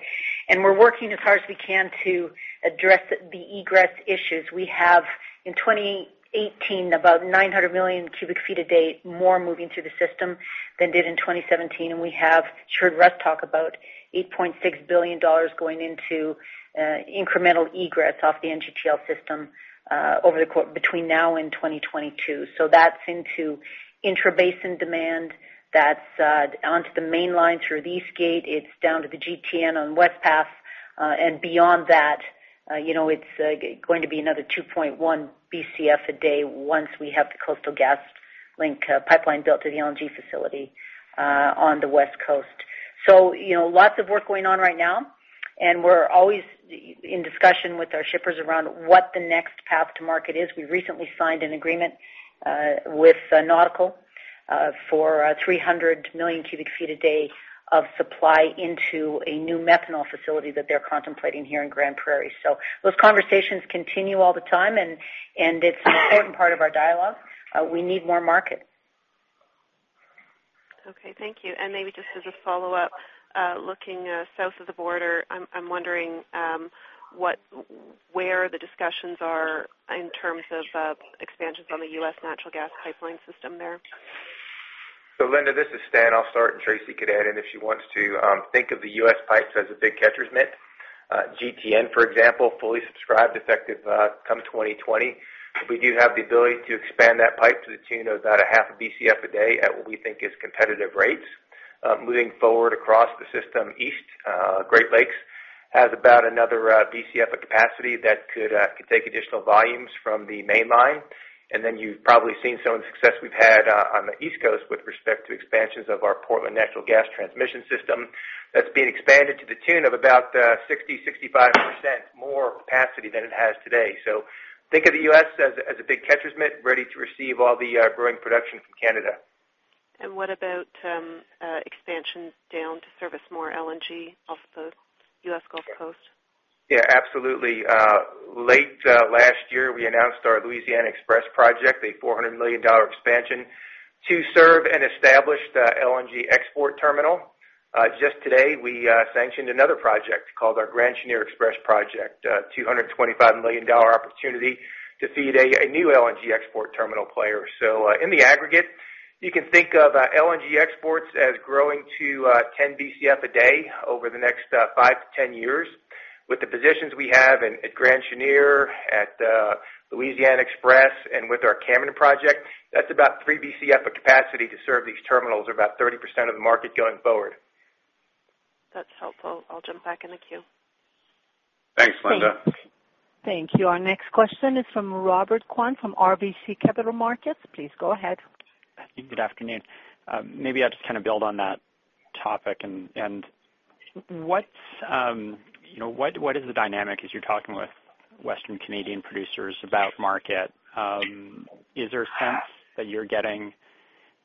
We're working as hard as we can to address the egress issues. We have, in 2018, about 900 million cu ft a day more moving through the system than did in 2017. We have heard Russ talk about 8.6 billion dollars going into incremental egress off the NGTL system between now and 2022. That's into intrabasin demand, that's onto the Mainline through the East Gate, it's down to the GTN on West Path. Beyond that, it's going to be another 2.1 Bcf a day once we have the Coastal GasLink Pipeline built to the LNG facility on the West Coast. Lots of work going on right now. We're always in discussion with our shippers around what the next path to market is. We recently signed an agreement with Nauticol for 300 million cu ft a day of supply into a new methanol facility that they're contemplating here in Grande Prairie. Those conversations continue all the time. It's an important part of our dialogue. We need more market. Okay, thank you. Maybe just as a follow-up, looking south of the border, I'm wondering where the discussions are in terms of expansions on the U.S. natural gas pipeline system there. Linda, this is Stan. I'll start. Tracy could add in if she wants to. Think of the U.S. pipes as a big catcher's mitt. GTN, for example, fully subscribed effective come 2020. We do have the ability to expand that pipe to the tune of about a half a Bcf a day at what we think is competitive rates. Moving forward across the system east, Great Lakes has about another Bcf of capacity that could take additional volumes from the Mainline. You've probably seen some of the success we've had on the East Coast with respect to expansions of our Portland Natural Gas Transmission System. That's being expanded to the tune of about 60%-65% more capacity than it has today. Think of the U.S. as a big catcher's mitt ready to receive all the growing production from Canada. What about expansions down to service more LNG off the U.S. Gulf Coast? Yeah, absolutely. Late last year, we announced our Louisiana XPress project, a 400 million dollar expansion to serve an established LNG export terminal. Just today, we sanctioned another project called our Grand Chenier XPress project, a 225 million dollar opportunity to feed a new LNG export terminal player. In the aggregate, you can think of LNG exports as growing to 10 Bcf a day over the next 5-10 years. With the positions we have at Grand Chenier, at Louisiana XPress, and with our Cameron project, that's about 3 Bcf of capacity to serve these terminals, or about 30% of the market going forward. That's helpful. I'll jump back in the queue. Thanks, Linda. Thanks. Thank you. Our next question is from Robert Kwan from RBC Capital Markets. Please go ahead. Good afternoon. Maybe just to kind of build on that topic. What is the dynamic as you're talking with Western Canadian producers about market? Is there a sense that you're getting,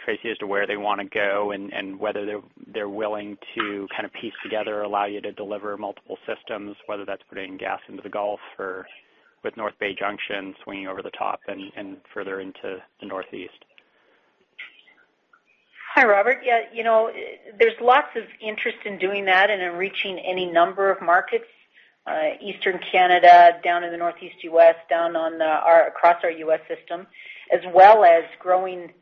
Tracy, as to where they want to go and whether they're willing to kind of piece together, allow you to deliver multiple systems, whether that's putting gas into the Gulf or with North Bay Junction swinging over the top and further into the Northeast? Hi, Robert. Yeah, there's lots of interest in doing that and in reaching any number of markets, Eastern Canada, down in the Northeast U.S., down across our U.S. system, as well as growing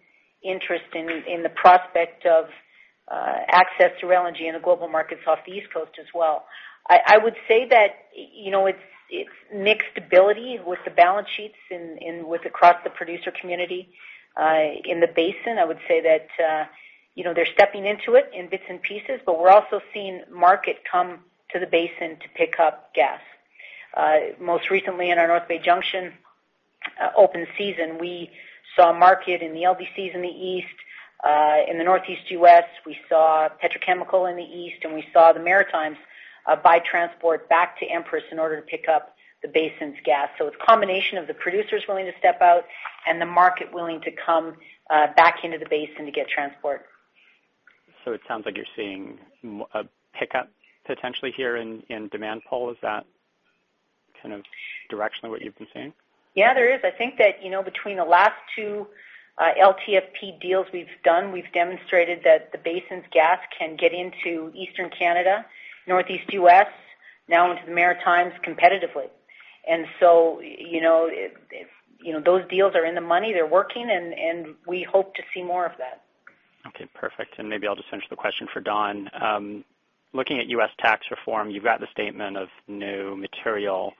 interest in the prospect of access to LNG in the global markets off the East Coast as well. I would say that it's mixed ability with the balance sheets and with across the producer community. In the basin, I would say that they're stepping into it in bits and pieces, but we're also seeing market come to the basin to pick up gas. Most recently in our North Bay Junction open season, we saw market in the LDCs in the east, in the Northeast U.S. We saw petrochemical in the east, and we saw the Maritimes by transport back to Empress in order to pick up the basin's gas. It's a combination of the producers willing to step out and the market willing to come back into the basin to get transport. It sounds like you're seeing a pickup potentially here in demand pool. Is that directionally what you've been seeing? Yeah, there is. I think that, between the last two LTFP deals we've done, we've demonstrated that the basin's gas can get into Eastern Canada, Northeast U.S., now into the Maritimes competitively. Those deals are in the money. They're working, and we hope to see more of that. Okay, perfect. Maybe I'll just finish the question for Don. Looking at U.S. tax reform, you've got the statement of no material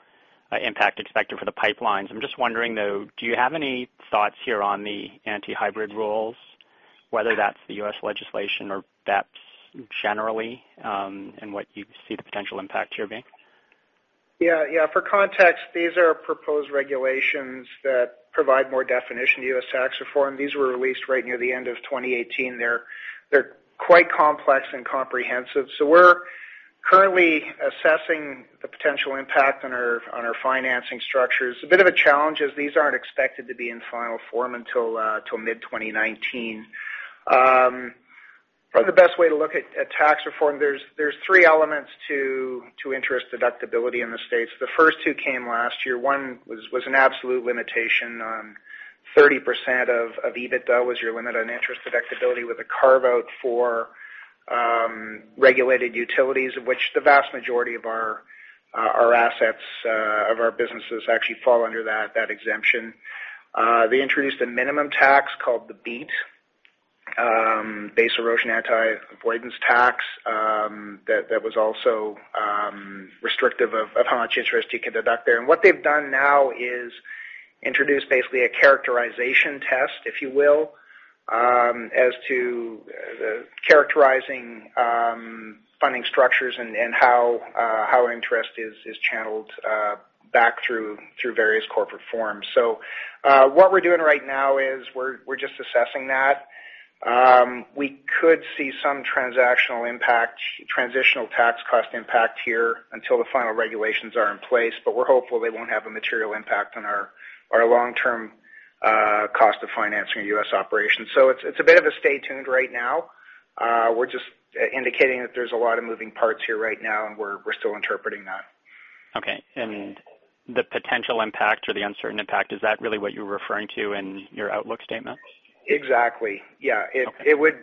impact expected for the pipelines. I'm just wondering, though, do you have any thoughts here on the anti-hybrid rules, whether that's the U.S. legislation or BEPS generally, and what you see the potential impact here being? Yeah. For context, these are proposed regulations that provide more definition to U.S. tax reform. These were released right near the end of 2018. They're quite complex and comprehensive. We're currently assessing the potential impact on our financing structures. A bit of a challenge, as these aren't expected to be in final form until mid-2019. Probably the best way to look at tax reform, there's three elements to interest deductibility in the States. The first two came last year. One was an absolute limitation on 30% of EBITDA was your limit on interest deductibility with a carve-out for regulated utilities, of which the vast majority of our businesses actually fall under that exemption. They introduced a minimum tax called the BEAT, Base Erosion Anti-Avoidance Tax, that was also restrictive of how much interest you can deduct there. What they've done now is introduce basically a characterization test, if you will, as to characterizing funding structures and how interest is channeled back through various corporate forms. What we're doing right now is we're just assessing that. We could see some transactional impact, transitional tax cost impact here until the final regulations are in place, but we're hopeful they won't have a material impact on our long-term cost of financing U.S. operations. It's a bit of a stay tuned right now. We're just indicating that there's a lot of moving parts here right now, and we're still interpreting that. Okay. The potential impact or the uncertain impact, is that really what you were referring to in your outlook statement? Exactly, yeah. Okay.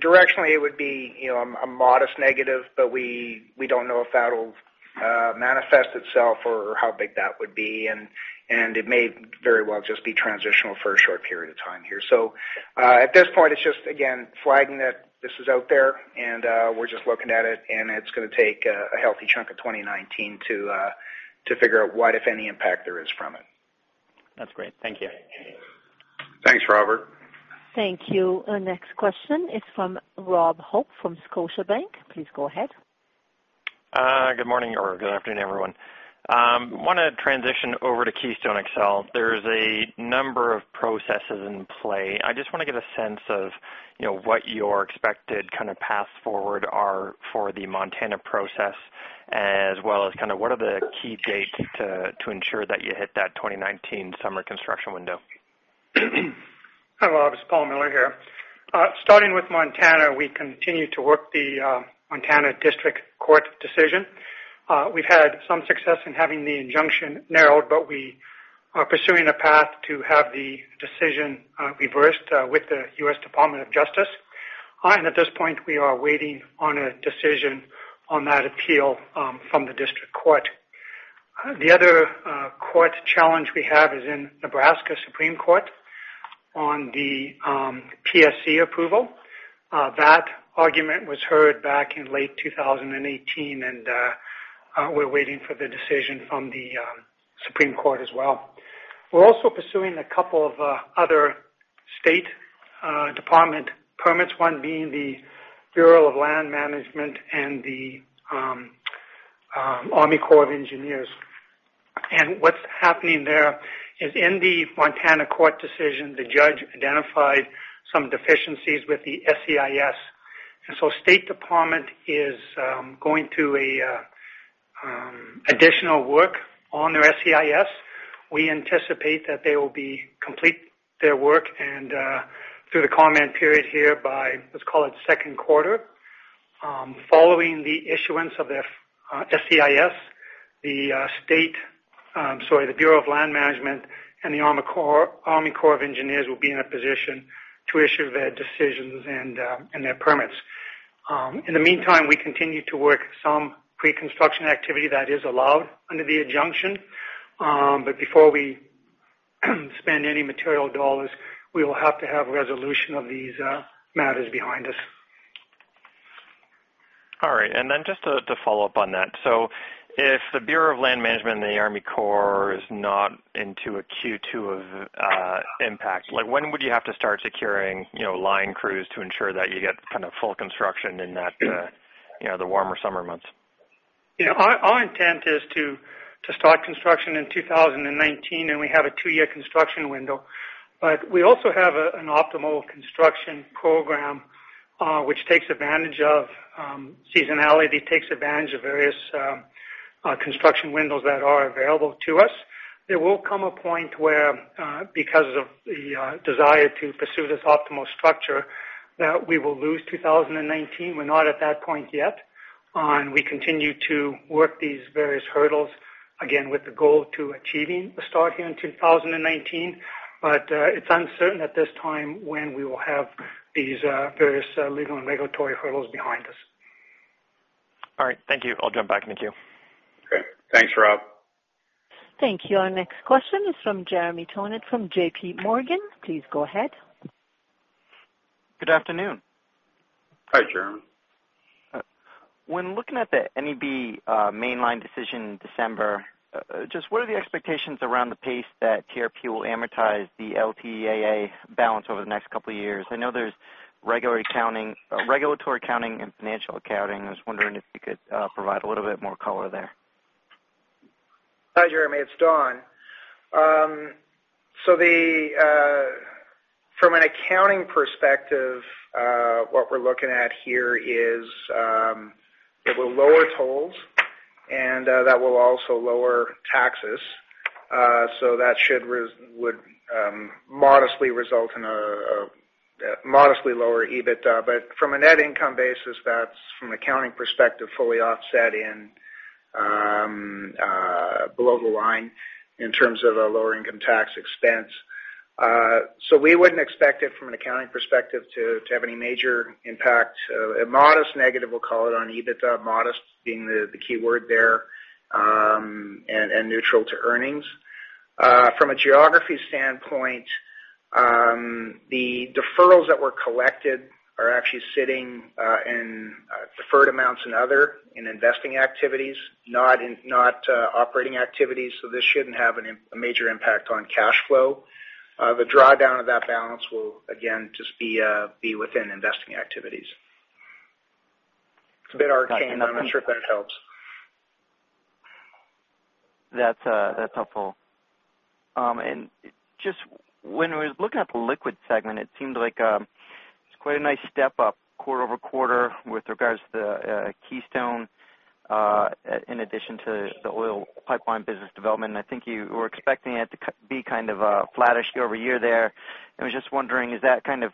Directionally, it would be a modest negative, we don't know if that'll manifest itself or how big that would be, and it may very well just be transitional for a short period of time here. At this point, it's just, again, flagging that this is out there and we're just looking at it, and it's going to take a healthy chunk of 2019 to figure out what, if any, impact there is from it. That's great. Thank you. Thanks, Robert. Thank you. Our next question is from Rob Hope from Scotiabank. Please go ahead. Good morning or good afternoon, everyone. I want to transition over to Keystone XL. There's a number of processes in play. I just want to get a sense of what your expected path forward are for the Montana process, as well as what are the key dates to ensure that you hit that 2019 summer construction window? Hello, Rob. It's Paul Miller here. Starting with Montana, we continue to work the Montana District Court decision. We've had some success in having the injunction narrowed, but we are pursuing a path to have the decision reversed with the U.S. Department of Justice. At this point, we are waiting on a decision on that appeal from the district court. The other court challenge we have is in Nebraska Supreme Court on the PSC approval. That argument was heard back in late 2018. We're waiting for the decision from the Supreme Court as well. We're also pursuing a couple of other State Department permits, one being the Bureau of Land Management and the Army Corps of Engineers. What's happening there is in the Montana court decision, the judge identified some deficiencies with the SEIS. State Department is going through additional work on their SEIS. We anticipate that they will complete their work and through the comment period here by, let's call it second quarter. Following the issuance of their SEIS, the Bureau of Land Management and the Army Corps of Engineers will be in a position to issue their decisions and their permits. In the meantime, we continue to work some pre-construction activity that is allowed under the injunction. Before we spend any material dollars, we will have to have resolution of these matters behind us. All right. Just to follow up on that. If the Bureau of Land Management and the Army Corps is not into a Q2 of impact, when would you have to start securing line crews to ensure that you get full construction in the warmer summer months? Our intent is to start construction in 2019, and we have a two-year construction window. We also have an optimal construction program, which takes advantage of seasonality, takes advantage of various construction windows that are available to us. There will come a point where, because of the desire to pursue this optimal structure, that we will lose 2019. We're not at that point yet. We continue to work these various hurdles, again, with the goal to achieving a start here in 2019. It's uncertain at this time when we will have these various legal and regulatory hurdles behind us. All right. Thank you. I'll jump back in the queue. Okay. Thanks, Rob. Thank you. Our next question is from Jeremy Tonet from JPMorgan. Please go ahead. Good afternoon. Hi, Jeremy. When looking at the NEB Mainline decision in December, just what are the expectations around the pace that TRP will amortize the LTAA balance over the next couple of years? I know there's regulatory accounting and financial accounting. I was wondering if you could provide a little bit more color there. Hi, Jeremy. It's Don. From an accounting perspective, what we're looking at here is it will lower tolls, and that will also lower taxes. That would modestly result in a modestly lower EBITDA. From a net income basis, that's from an accounting perspective, fully offset in below the line in terms of a lower income tax expense. We wouldn't expect it from an accounting perspective to have any major impact. A modest negative, we'll call it, on EBITDA, modest being the key word there, and neutral to earnings. From a geography standpoint, the deferrals that were collected are actually sitting in deferred amounts and other in investing activities, not operating activities, so this shouldn't have a major impact on cash flow. The drawdown of that balance will, again, just be within investing activities. It's a bit arcane. I'm not sure if that helps. That's helpful. Just when we're looking at the liquids segment, it seemed like it's quite a nice step-up quarter-over-quarter with regards to Keystone, in addition to the oil pipeline business development. I think you were expecting it to be kind of flattish year-over-year there. I was just wondering,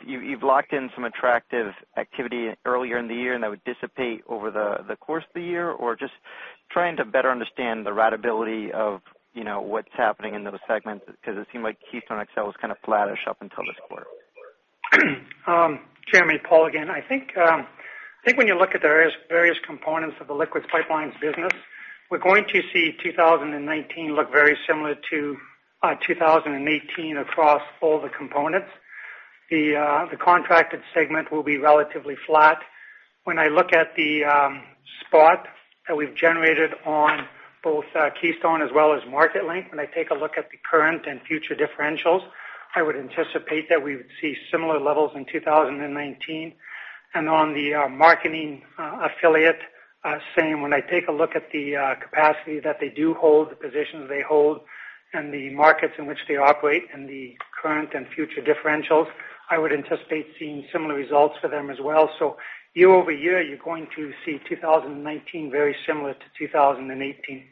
you've locked in some attractive activity earlier in the year and that would dissipate over the course of the year, or just trying to better understand the ratability of what's happening into the segment, because it seemed like Keystone XL was kind of flattish up until this point. Jeremy, Paul again. I think when you look at the various components of the Liquids Pipelines business, we're going to see 2019 look very similar to 2018 across all the components. The contracted segment will be relatively flat. When I look at the spot that we've generated on both Keystone as well as Marketlink, when I take a look at the current and future differentials, I would anticipate that we would see similar levels in 2019. On the marketing affiliate, same. When I take a look at the capacity that they do hold, the positions they hold, and the markets in which they operate and the current and future differentials, I would anticipate seeing similar results for them as well. Year-over-year, you're going to see 2019 very similar to 2018.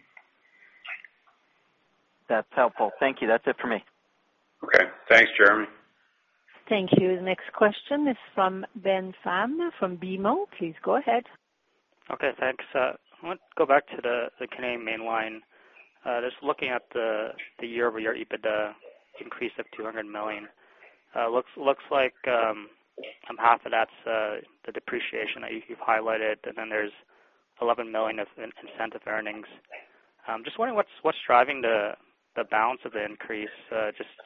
That's helpful. Thank you. That's it for me. Okay. Thanks, Jeremy. Thank you. The next question is from Ben Pham from BMO Capital Markets. Please go ahead. Okay, thanks. I want to go back to the Canadian Mainline. Just looking at the year-over-year EBITDA increase of 200 million. Looks like some half of that's the depreciation that you've highlighted, and then there's 11 million of incentive earnings. Just wondering what's driving the balance of the increase,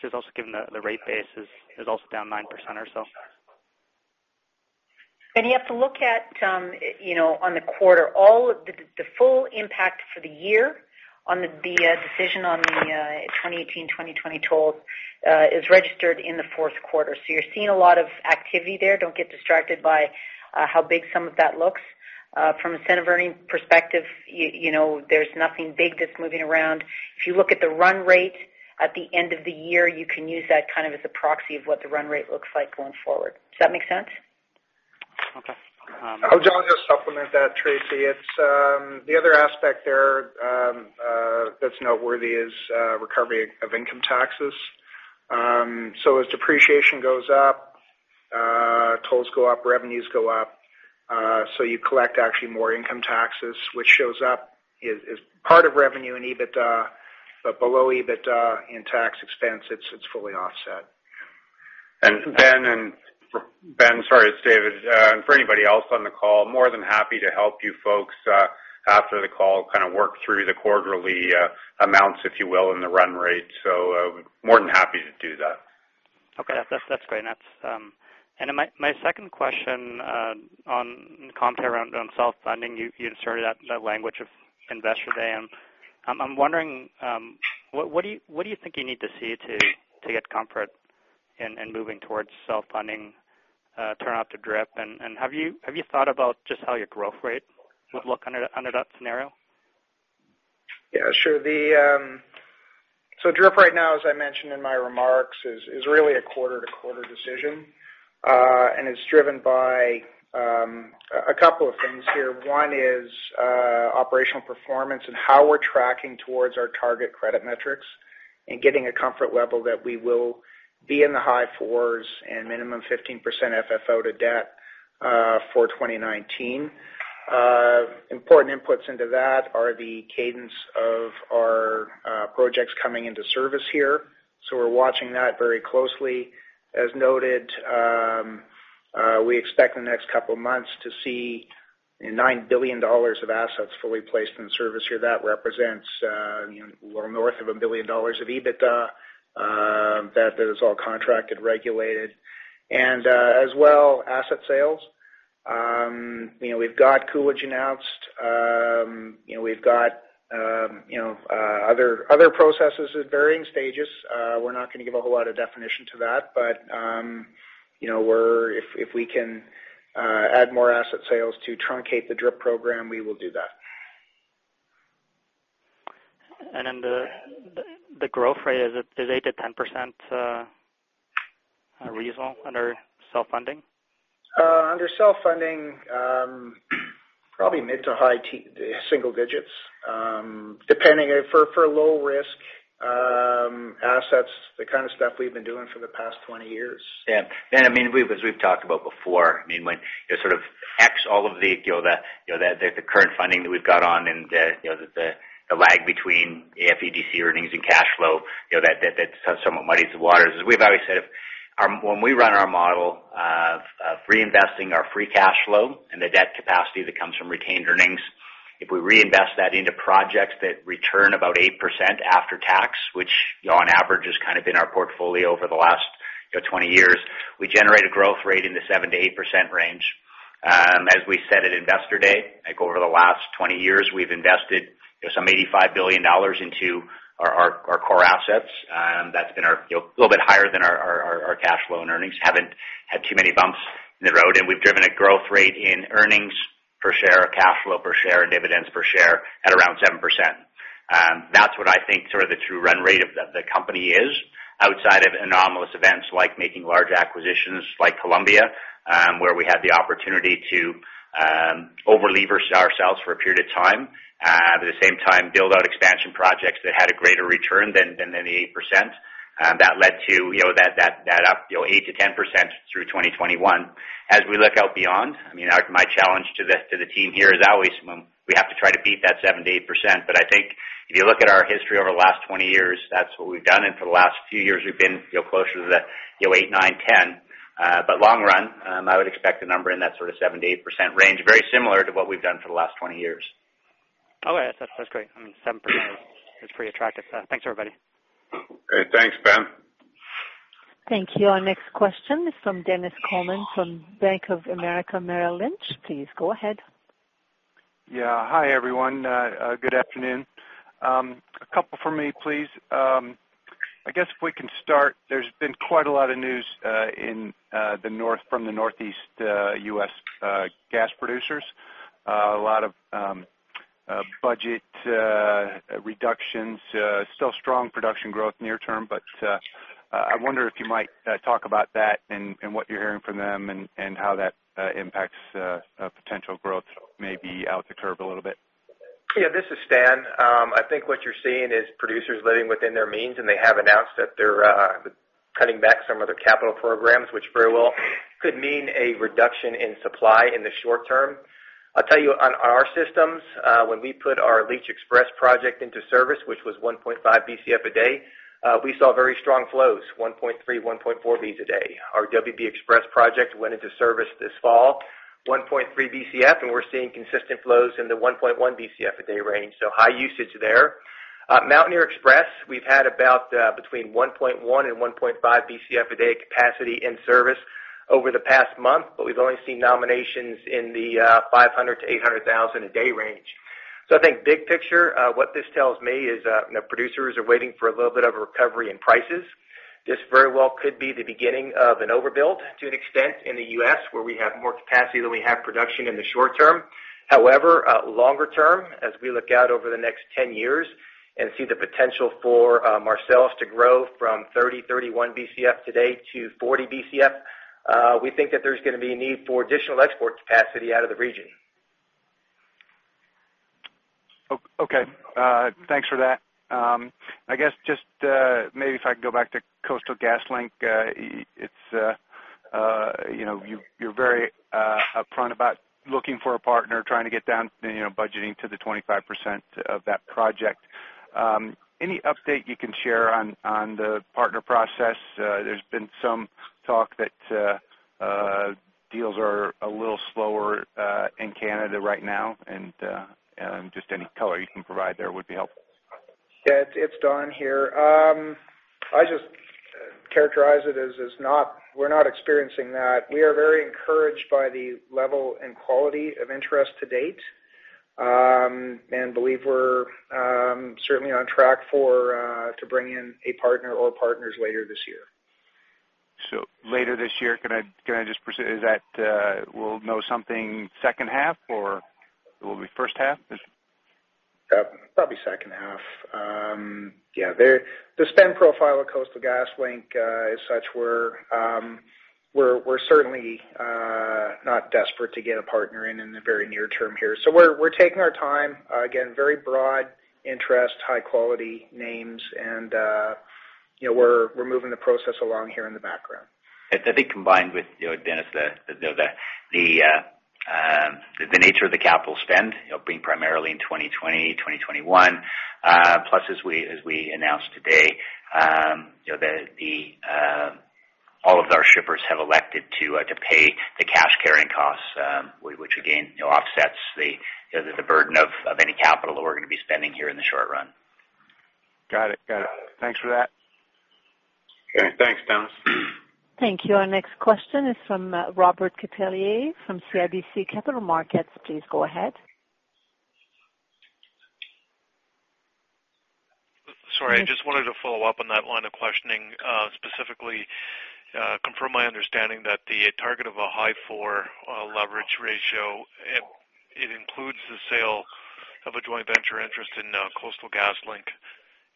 just also given the rate base is also down 9% or so. You have to look at, on the quarter, the full impact for the year on the decision on the 2018-2020 toll is registered in the fourth quarter. You're seeing a lot of activity there. Don't get distracted by how big some of that looks. From an incentive earning perspective, there's nothing big that's moving around. If you look at the run rate at the end of the year, you can use that as a proxy of what the run rate looks like going forward. Does that make sense? Okay. I'll just supplement that, Tracy. The other aspect there that's noteworthy is recovery of income taxes. As depreciation goes up, tolls go up, revenues go up. You collect actually more income taxes, which shows up as part of revenue and EBITDA, but below EBITDA in tax expense, it's fully offset. Ben, sorry, it's David. For anybody else on the call, more than happy to help you folks after the call, work through the quarterly amounts, if you will, and the run rate. More than happy to do that. Okay. That's great. My second question on commentary around self-funding, you had started that language of Investor Day. I'm wondering, what do you think you need to see to get comfort in moving towards self-funding? Turn off the DRIP. Have you thought about just how your growth rate would look under that scenario? Yeah, sure. DRIP right now, as I mentioned in my remarks, is really a quarter-to-quarter decision. It's driven by a couple of things here. One is operational performance and how we're tracking towards our target credit metrics and getting a comfort level that we will be in the high fours and minimum 15% FFO to debt for 2019. Important inputs into that are the cadence of our projects coming into service here, so we're watching that very closely. As noted, we expect in the next couple of months to see 9 billion dollars of assets fully placed in service here. That represents a little north of 1 billion dollars of EBITDA that is all contracted, regulated, and as well, asset sales. We've got Coolidge announced. We've got other processes at varying stages. We're not going to give a whole lot of definition to that. If we can add more asset sales to truncate the DRIP program, we will do that. The growth rate, is 8%-10% reasonable under self-funding? Under self-funding, probably mid to high single digits. For low-risk assets, the kind of stuff we've been doing for the past 20 years. Yeah. As we've talked about before, when you sort of X all of the current funding that we've got on and the lag between AFUDC earnings and cash flow, that somewhat muddies the waters. As we've always said, when we run our model of reinvesting our free cash flow and the debt capacity that comes from retained earnings, if we reinvest that into projects that return about 8% after tax, which on average has kind of been our portfolio over the last 20 years, we generate a growth rate in the 7%-8% range. As we said at Investor Day, over the last 20 years, we've invested some 85 billion dollars into our core assets. That's been a little bit higher than our cash flow and earnings. Haven't had too many bumps in the road, we've driven a growth rate in earnings per share or cash flow per share and dividends per share at around 7%. That's what I think sort of the true run rate of the company is, outside of anomalous events like making large acquisitions like Columbia, where we had the opportunity to over-lever ourselves for a period of time. At the same time, build out expansion projects that had a greater return than the 8%. That led to that up 8%-10% through 2021. As we look out beyond, my challenge to the team here is always we have to try to beat that 7%-8%. I think if you look at our history over the last 20 years, that's what we've done. For the last few years, we've been closer to the 8%, 9%, 10%. Long run, I would expect the number in that sort of 7%-8% range, very similar to what we've done for the last 20 years. Okay. That's great. 7% is pretty attractive. Thanks, everybody. Great. Thanks, Ben. Thank you. Our next question is from Dennis Coleman from Bank of America Merrill Lynch. Please go ahead. Yeah. Hi, everyone. Good afternoon. A couple from me, please. I guess if we can start, there's been quite a lot of news from the Northeast U.S. gas producers. A lot of budget reductions. Still strong production growth near term, but I wonder if you might talk about that and what you're hearing from them and how that impacts potential growth maybe out the curve a little bit. Yeah, this is Stan. I think what you're seeing is producers living within their means. They have announced that they're cutting back some of their capital programs, which very well could mean a reduction in supply in the short term. I'll tell you on our systems, when we put our Leach XPress project into service, which was 1.5 Bcf a day, we saw very strong flows, 1.3, 1.4 Bcf a day. Our WB XPress project went into service this fall, 1.3 Bcf. We're seeing consistent flows in the 1.1 Bcf a day range, so high usage there. Mountaineer XPress, we've had about between 1.1 and 1.5 Bcf a day capacity in service over the past month, but we've only seen nominations in the 500,000-800,000 a day range. I think big picture, what this tells me is that producers are waiting for a little bit of a recovery in prices. This very well could be the beginning of an overbuild to an extent in the U.S., where we have more capacity than we have production in the short term. However, longer term, as we look out over the next 10 years and see the potential for Marcellus to grow from 30, 31 Bcf today to 40 Bcf, we think that there's going to be a need for additional export capacity out of the region. Okay. Thanks for that. I guess just maybe if I can go back to Coastal GasLink. You're very upfront about looking for a partner, trying to get down budgeting to the 25% of that project. Any update you can share on the partner process? There's been some talk that deals are a little slower in Canada right now, and just any color you can provide there would be helpful. Yeah. It's Don here. I just characterize it as we're not experiencing that. We are very encouraged by the level and quality of interest to date. Believe we're certainly on track to bring in a partner or partners later this year. Later this year. Is that we'll know something second half or will it be first half? Probably second half. Yeah. The spend profile of Coastal GasLink is such we're certainly not desperate to get a partner in in the very near term here. We're taking our time. Again, very broad interest, high-quality names, we're moving the process along here in the background. I think combined with, Dennis, the nature of the capital spend, being primarily in 2020, 2021. As we announced today, all of our shippers have elected to pay the cash carrying costs, which again, offsets the burden of any capital that we're going to be spending here in the short run. Got it. Thanks for that. Okay. Thanks, Dennis. Thank you. Our next question is from Robert Catellier from CIBC Capital Markets. Please go ahead. Sorry, I just wanted to follow up on that line of questioning. Specifically, confirm my understanding that the target of a high four leverage ratio, it includes the sale of a joint venture interest in Coastal GasLink.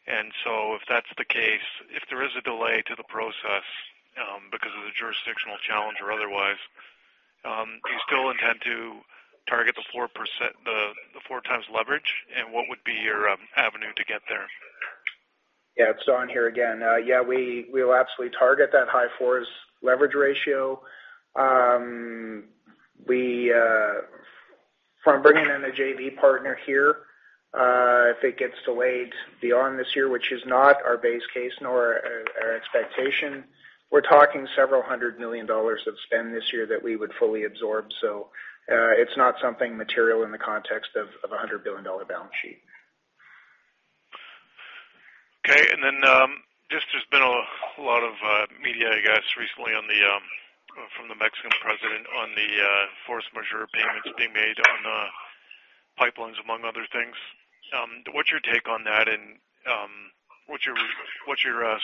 If that's the case, if there is a delay to the process because of the jurisdictional challenge or otherwise, do you still intend to target the four times leverage, and what would be your avenue to get there? Yeah, it's Don here again. Yeah, we'll absolutely target that high fours leverage ratio. From bringing in a JV partner here, if it gets delayed beyond this year, which is not our base case nor our expectation, we're talking several hundred million CAD of spend this year that we would fully absorb. It's not something material in the context of a 100 billion dollar balance sheet. Okay. Just there's been a lot of media, I guess, recently from the Mexican president on the force majeure payments being made on pipelines, among other things. What's your take on that, and what's your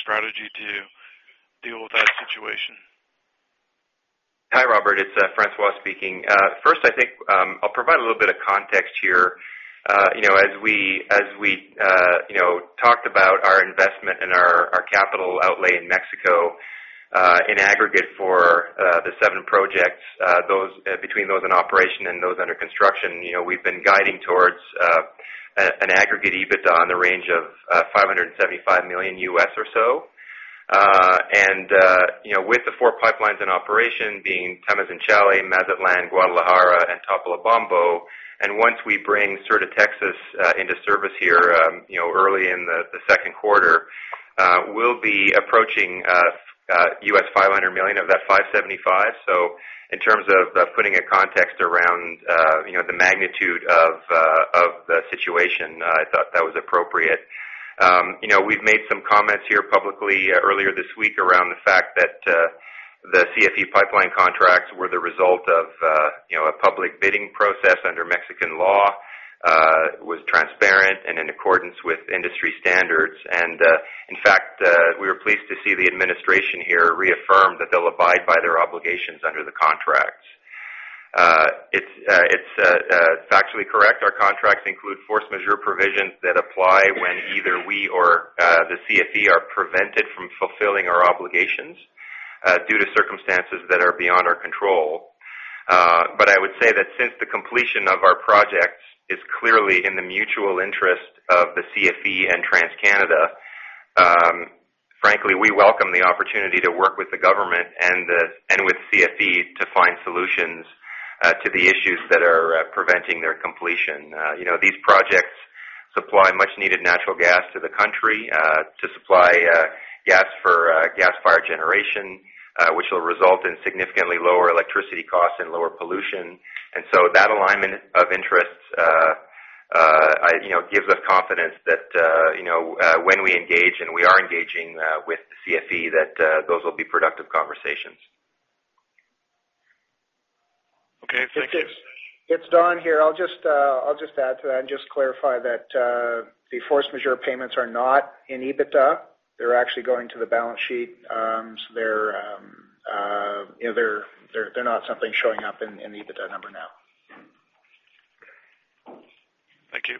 strategy to deal with that situation? Hi, Robert, it's François speaking. I think I'll provide a little bit of context here. As we talked about our investment and our capital outlay in Mexico, in aggregate for the seven projects, between those in operation and those under construction, we've been guiding towards an aggregate EBITDA in the range of $575 million or so. With the four pipelines in operation being Tamazunchale, Mazatlán, Guadalajara, and Topolobampo, and once we bring Sur de Texas into service here early in the second quarter, we'll be approaching $500 million of that $575 million. In terms of putting a context around the magnitude of the situation, I thought that was appropriate. We've made some comments here publicly earlier this week around the fact that the CFE pipeline contracts were the result of a public bidding process under Mexican law. It was transparent and in accordance with industry standards. In fact, we were pleased to see the administration here reaffirm that they'll abide by their obligations under the contracts. It's factually correct. Our contracts include force majeure provisions that apply when either we or the CFE are prevented from fulfilling our obligations due to circumstances that are beyond our control. I would say that since the completion of our projects is clearly in the mutual interest of the CFE and TransCanada Corporation, frankly, we welcome the opportunity to work with the government and with CFE to find solutions to the issues that are preventing their completion. These projects supply much needed natural gas to the country to supply gas for gas fire generation, which will result in significantly lower electricity costs and lower pollution. That alignment of interests gives us confidence that when we engage, and we are engaging with the CFE, that those will be productive conversations. Okay. Thank you. It's Don here. I'll just add to that and just clarify that the force majeure payments are not in EBITDA. They're actually going to the balance sheet. They're not something showing up in the EBITDA number now. Thank you.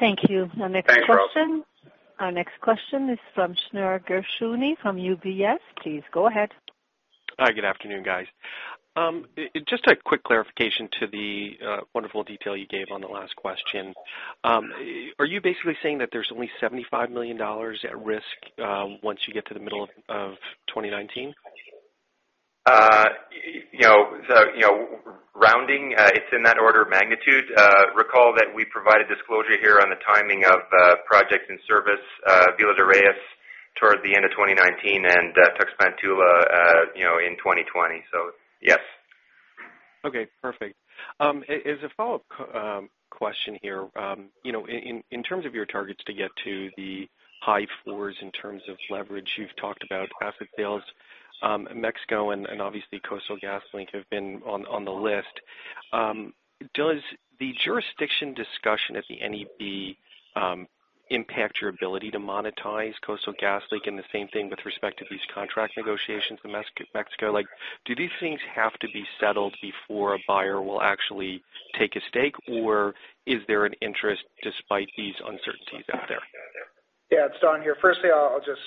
Thank you. Our next question- Thanks, Robert. Our next question is from Shneur Gershuni from UBS. Please go ahead. Hi, good afternoon, guys. Just a quick clarification to the wonderful detail you gave on the last question. Are you basically saying that there's only 75 million dollars at risk once you get to the middle of 2019? Rounding, it's in that order of magnitude. Recall that we provided disclosure here on the timing of project and service, Villa de Reyes towards the end of 2019 and Tuxpan-Tula in 2020. Yes. Okay, perfect. As a follow-up question here, in terms of your targets to get to the high fours in terms of leverage, you've talked about asset sales. Mexico and obviously Coastal GasLink have been on the list. Does the jurisdiction discussion at the NEB impact your ability to monetize Coastal GasLink? The same thing with respect to these contract negotiations in Mexico. Do these things have to be settled before a buyer will actually take a stake, or is there an interest despite these uncertainties out there? Don here. I'll just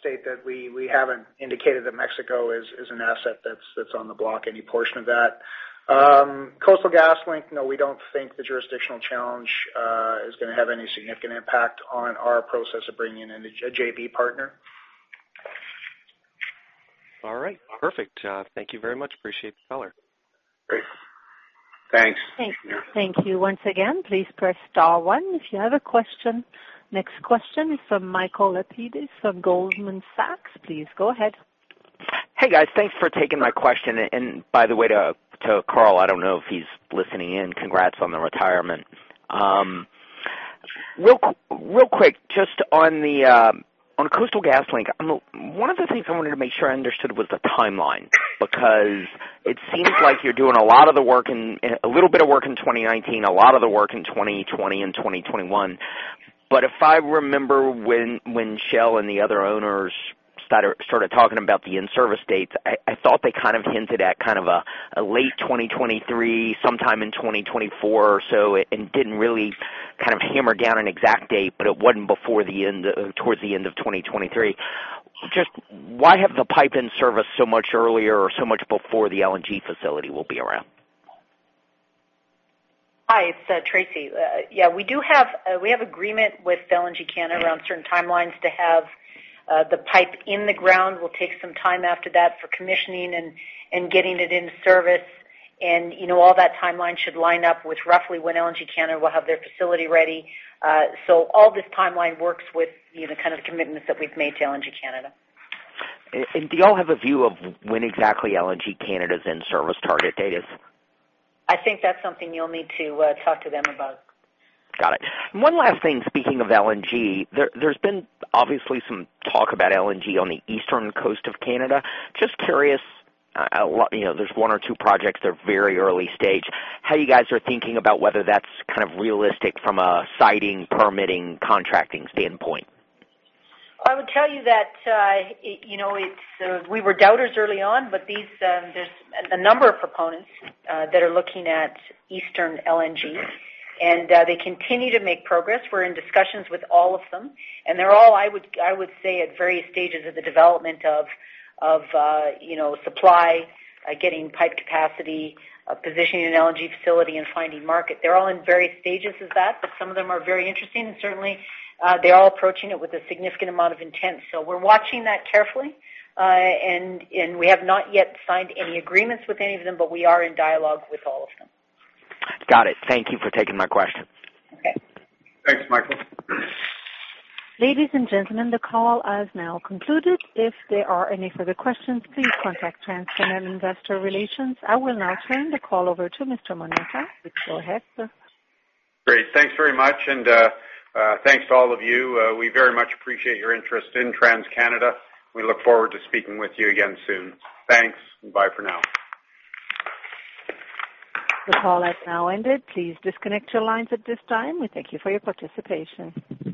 state that we haven't indicated that Mexico is an asset that's on the block, any portion of that. Coastal GasLink, we don't think the jurisdictional challenge is going to have any significant impact on our process of bringing in a JV partner. Perfect. Thank you very much. Appreciate the color. Great. Thanks. Thank you. Once again, please press star one if you have a question. Next question from Michael Lapides of Goldman Sachs. Please go ahead. Hey, guys. Thanks for taking my question. By the way, to Karl, I don't know if he's listening in, congrats on the retirement. Real quick, just on Coastal GasLink, one of the things I wanted to make sure I understood was the timeline, because it seems like you're doing a little bit of work in 2019, a lot of the work in 2020 and 2021. If I remember when Shell and the other owners started talking about the in-service dates, I thought they hinted at a late 2023, sometime in 2024 or so, and didn't really hammer down an exact date, but it wasn't towards the end of 2023. Just why have the pipe in service so much earlier or so much before the LNG facility will be around? Hi, it's Tracy. Yeah, we have agreement with LNG Canada around certain timelines to have the pipe in the ground. We'll take some time after that for commissioning and getting it in service. All that timeline should line up with roughly when LNG Canada will have their facility ready. All this timeline works with the kind of commitments that we've made to LNG Canada. Do you all have a view of when exactly LNG Canada's in-service target date is? I think that's something you'll need to talk to them about. Got it. One last thing, speaking of LNG, there's been obviously some talk about LNG on the eastern coast of Canada. Just curious, there's one or two projects that are very early stage. How you guys are thinking about whether that's realistic from a siting, permitting, contracting standpoint? I would tell you that we were doubters early on, but there's a number of proponents that are looking at Eastern LNG, and they continue to make progress. We're in discussions with all of them, and they're all, I would say, at various stages of the development of supply, getting pipe capacity, positioning an LNG facility, and finding market. They're all in various stages of that, but some of them are very interesting, and certainly, they're all approaching it with a significant amount of intent. We're watching that carefully, and we have not yet signed any agreements with any of them, but we are in dialogue with all of them. Got it. Thank you for taking my question. Okay. Thanks, Michael. Ladies and gentlemen, the call has now concluded. If there are any further questions, please contact TransCanada Investor Relations. I will now turn the call over to Mr. Moneta. Please go ahead, sir. Great. Thanks very much, and thanks to all of you. We very much appreciate your interest in TransCanada Corporation. We look forward to speaking with you again soon. Thanks, and bye for now. The call has now ended. Please disconnect your lines at this time. We thank you for your participation.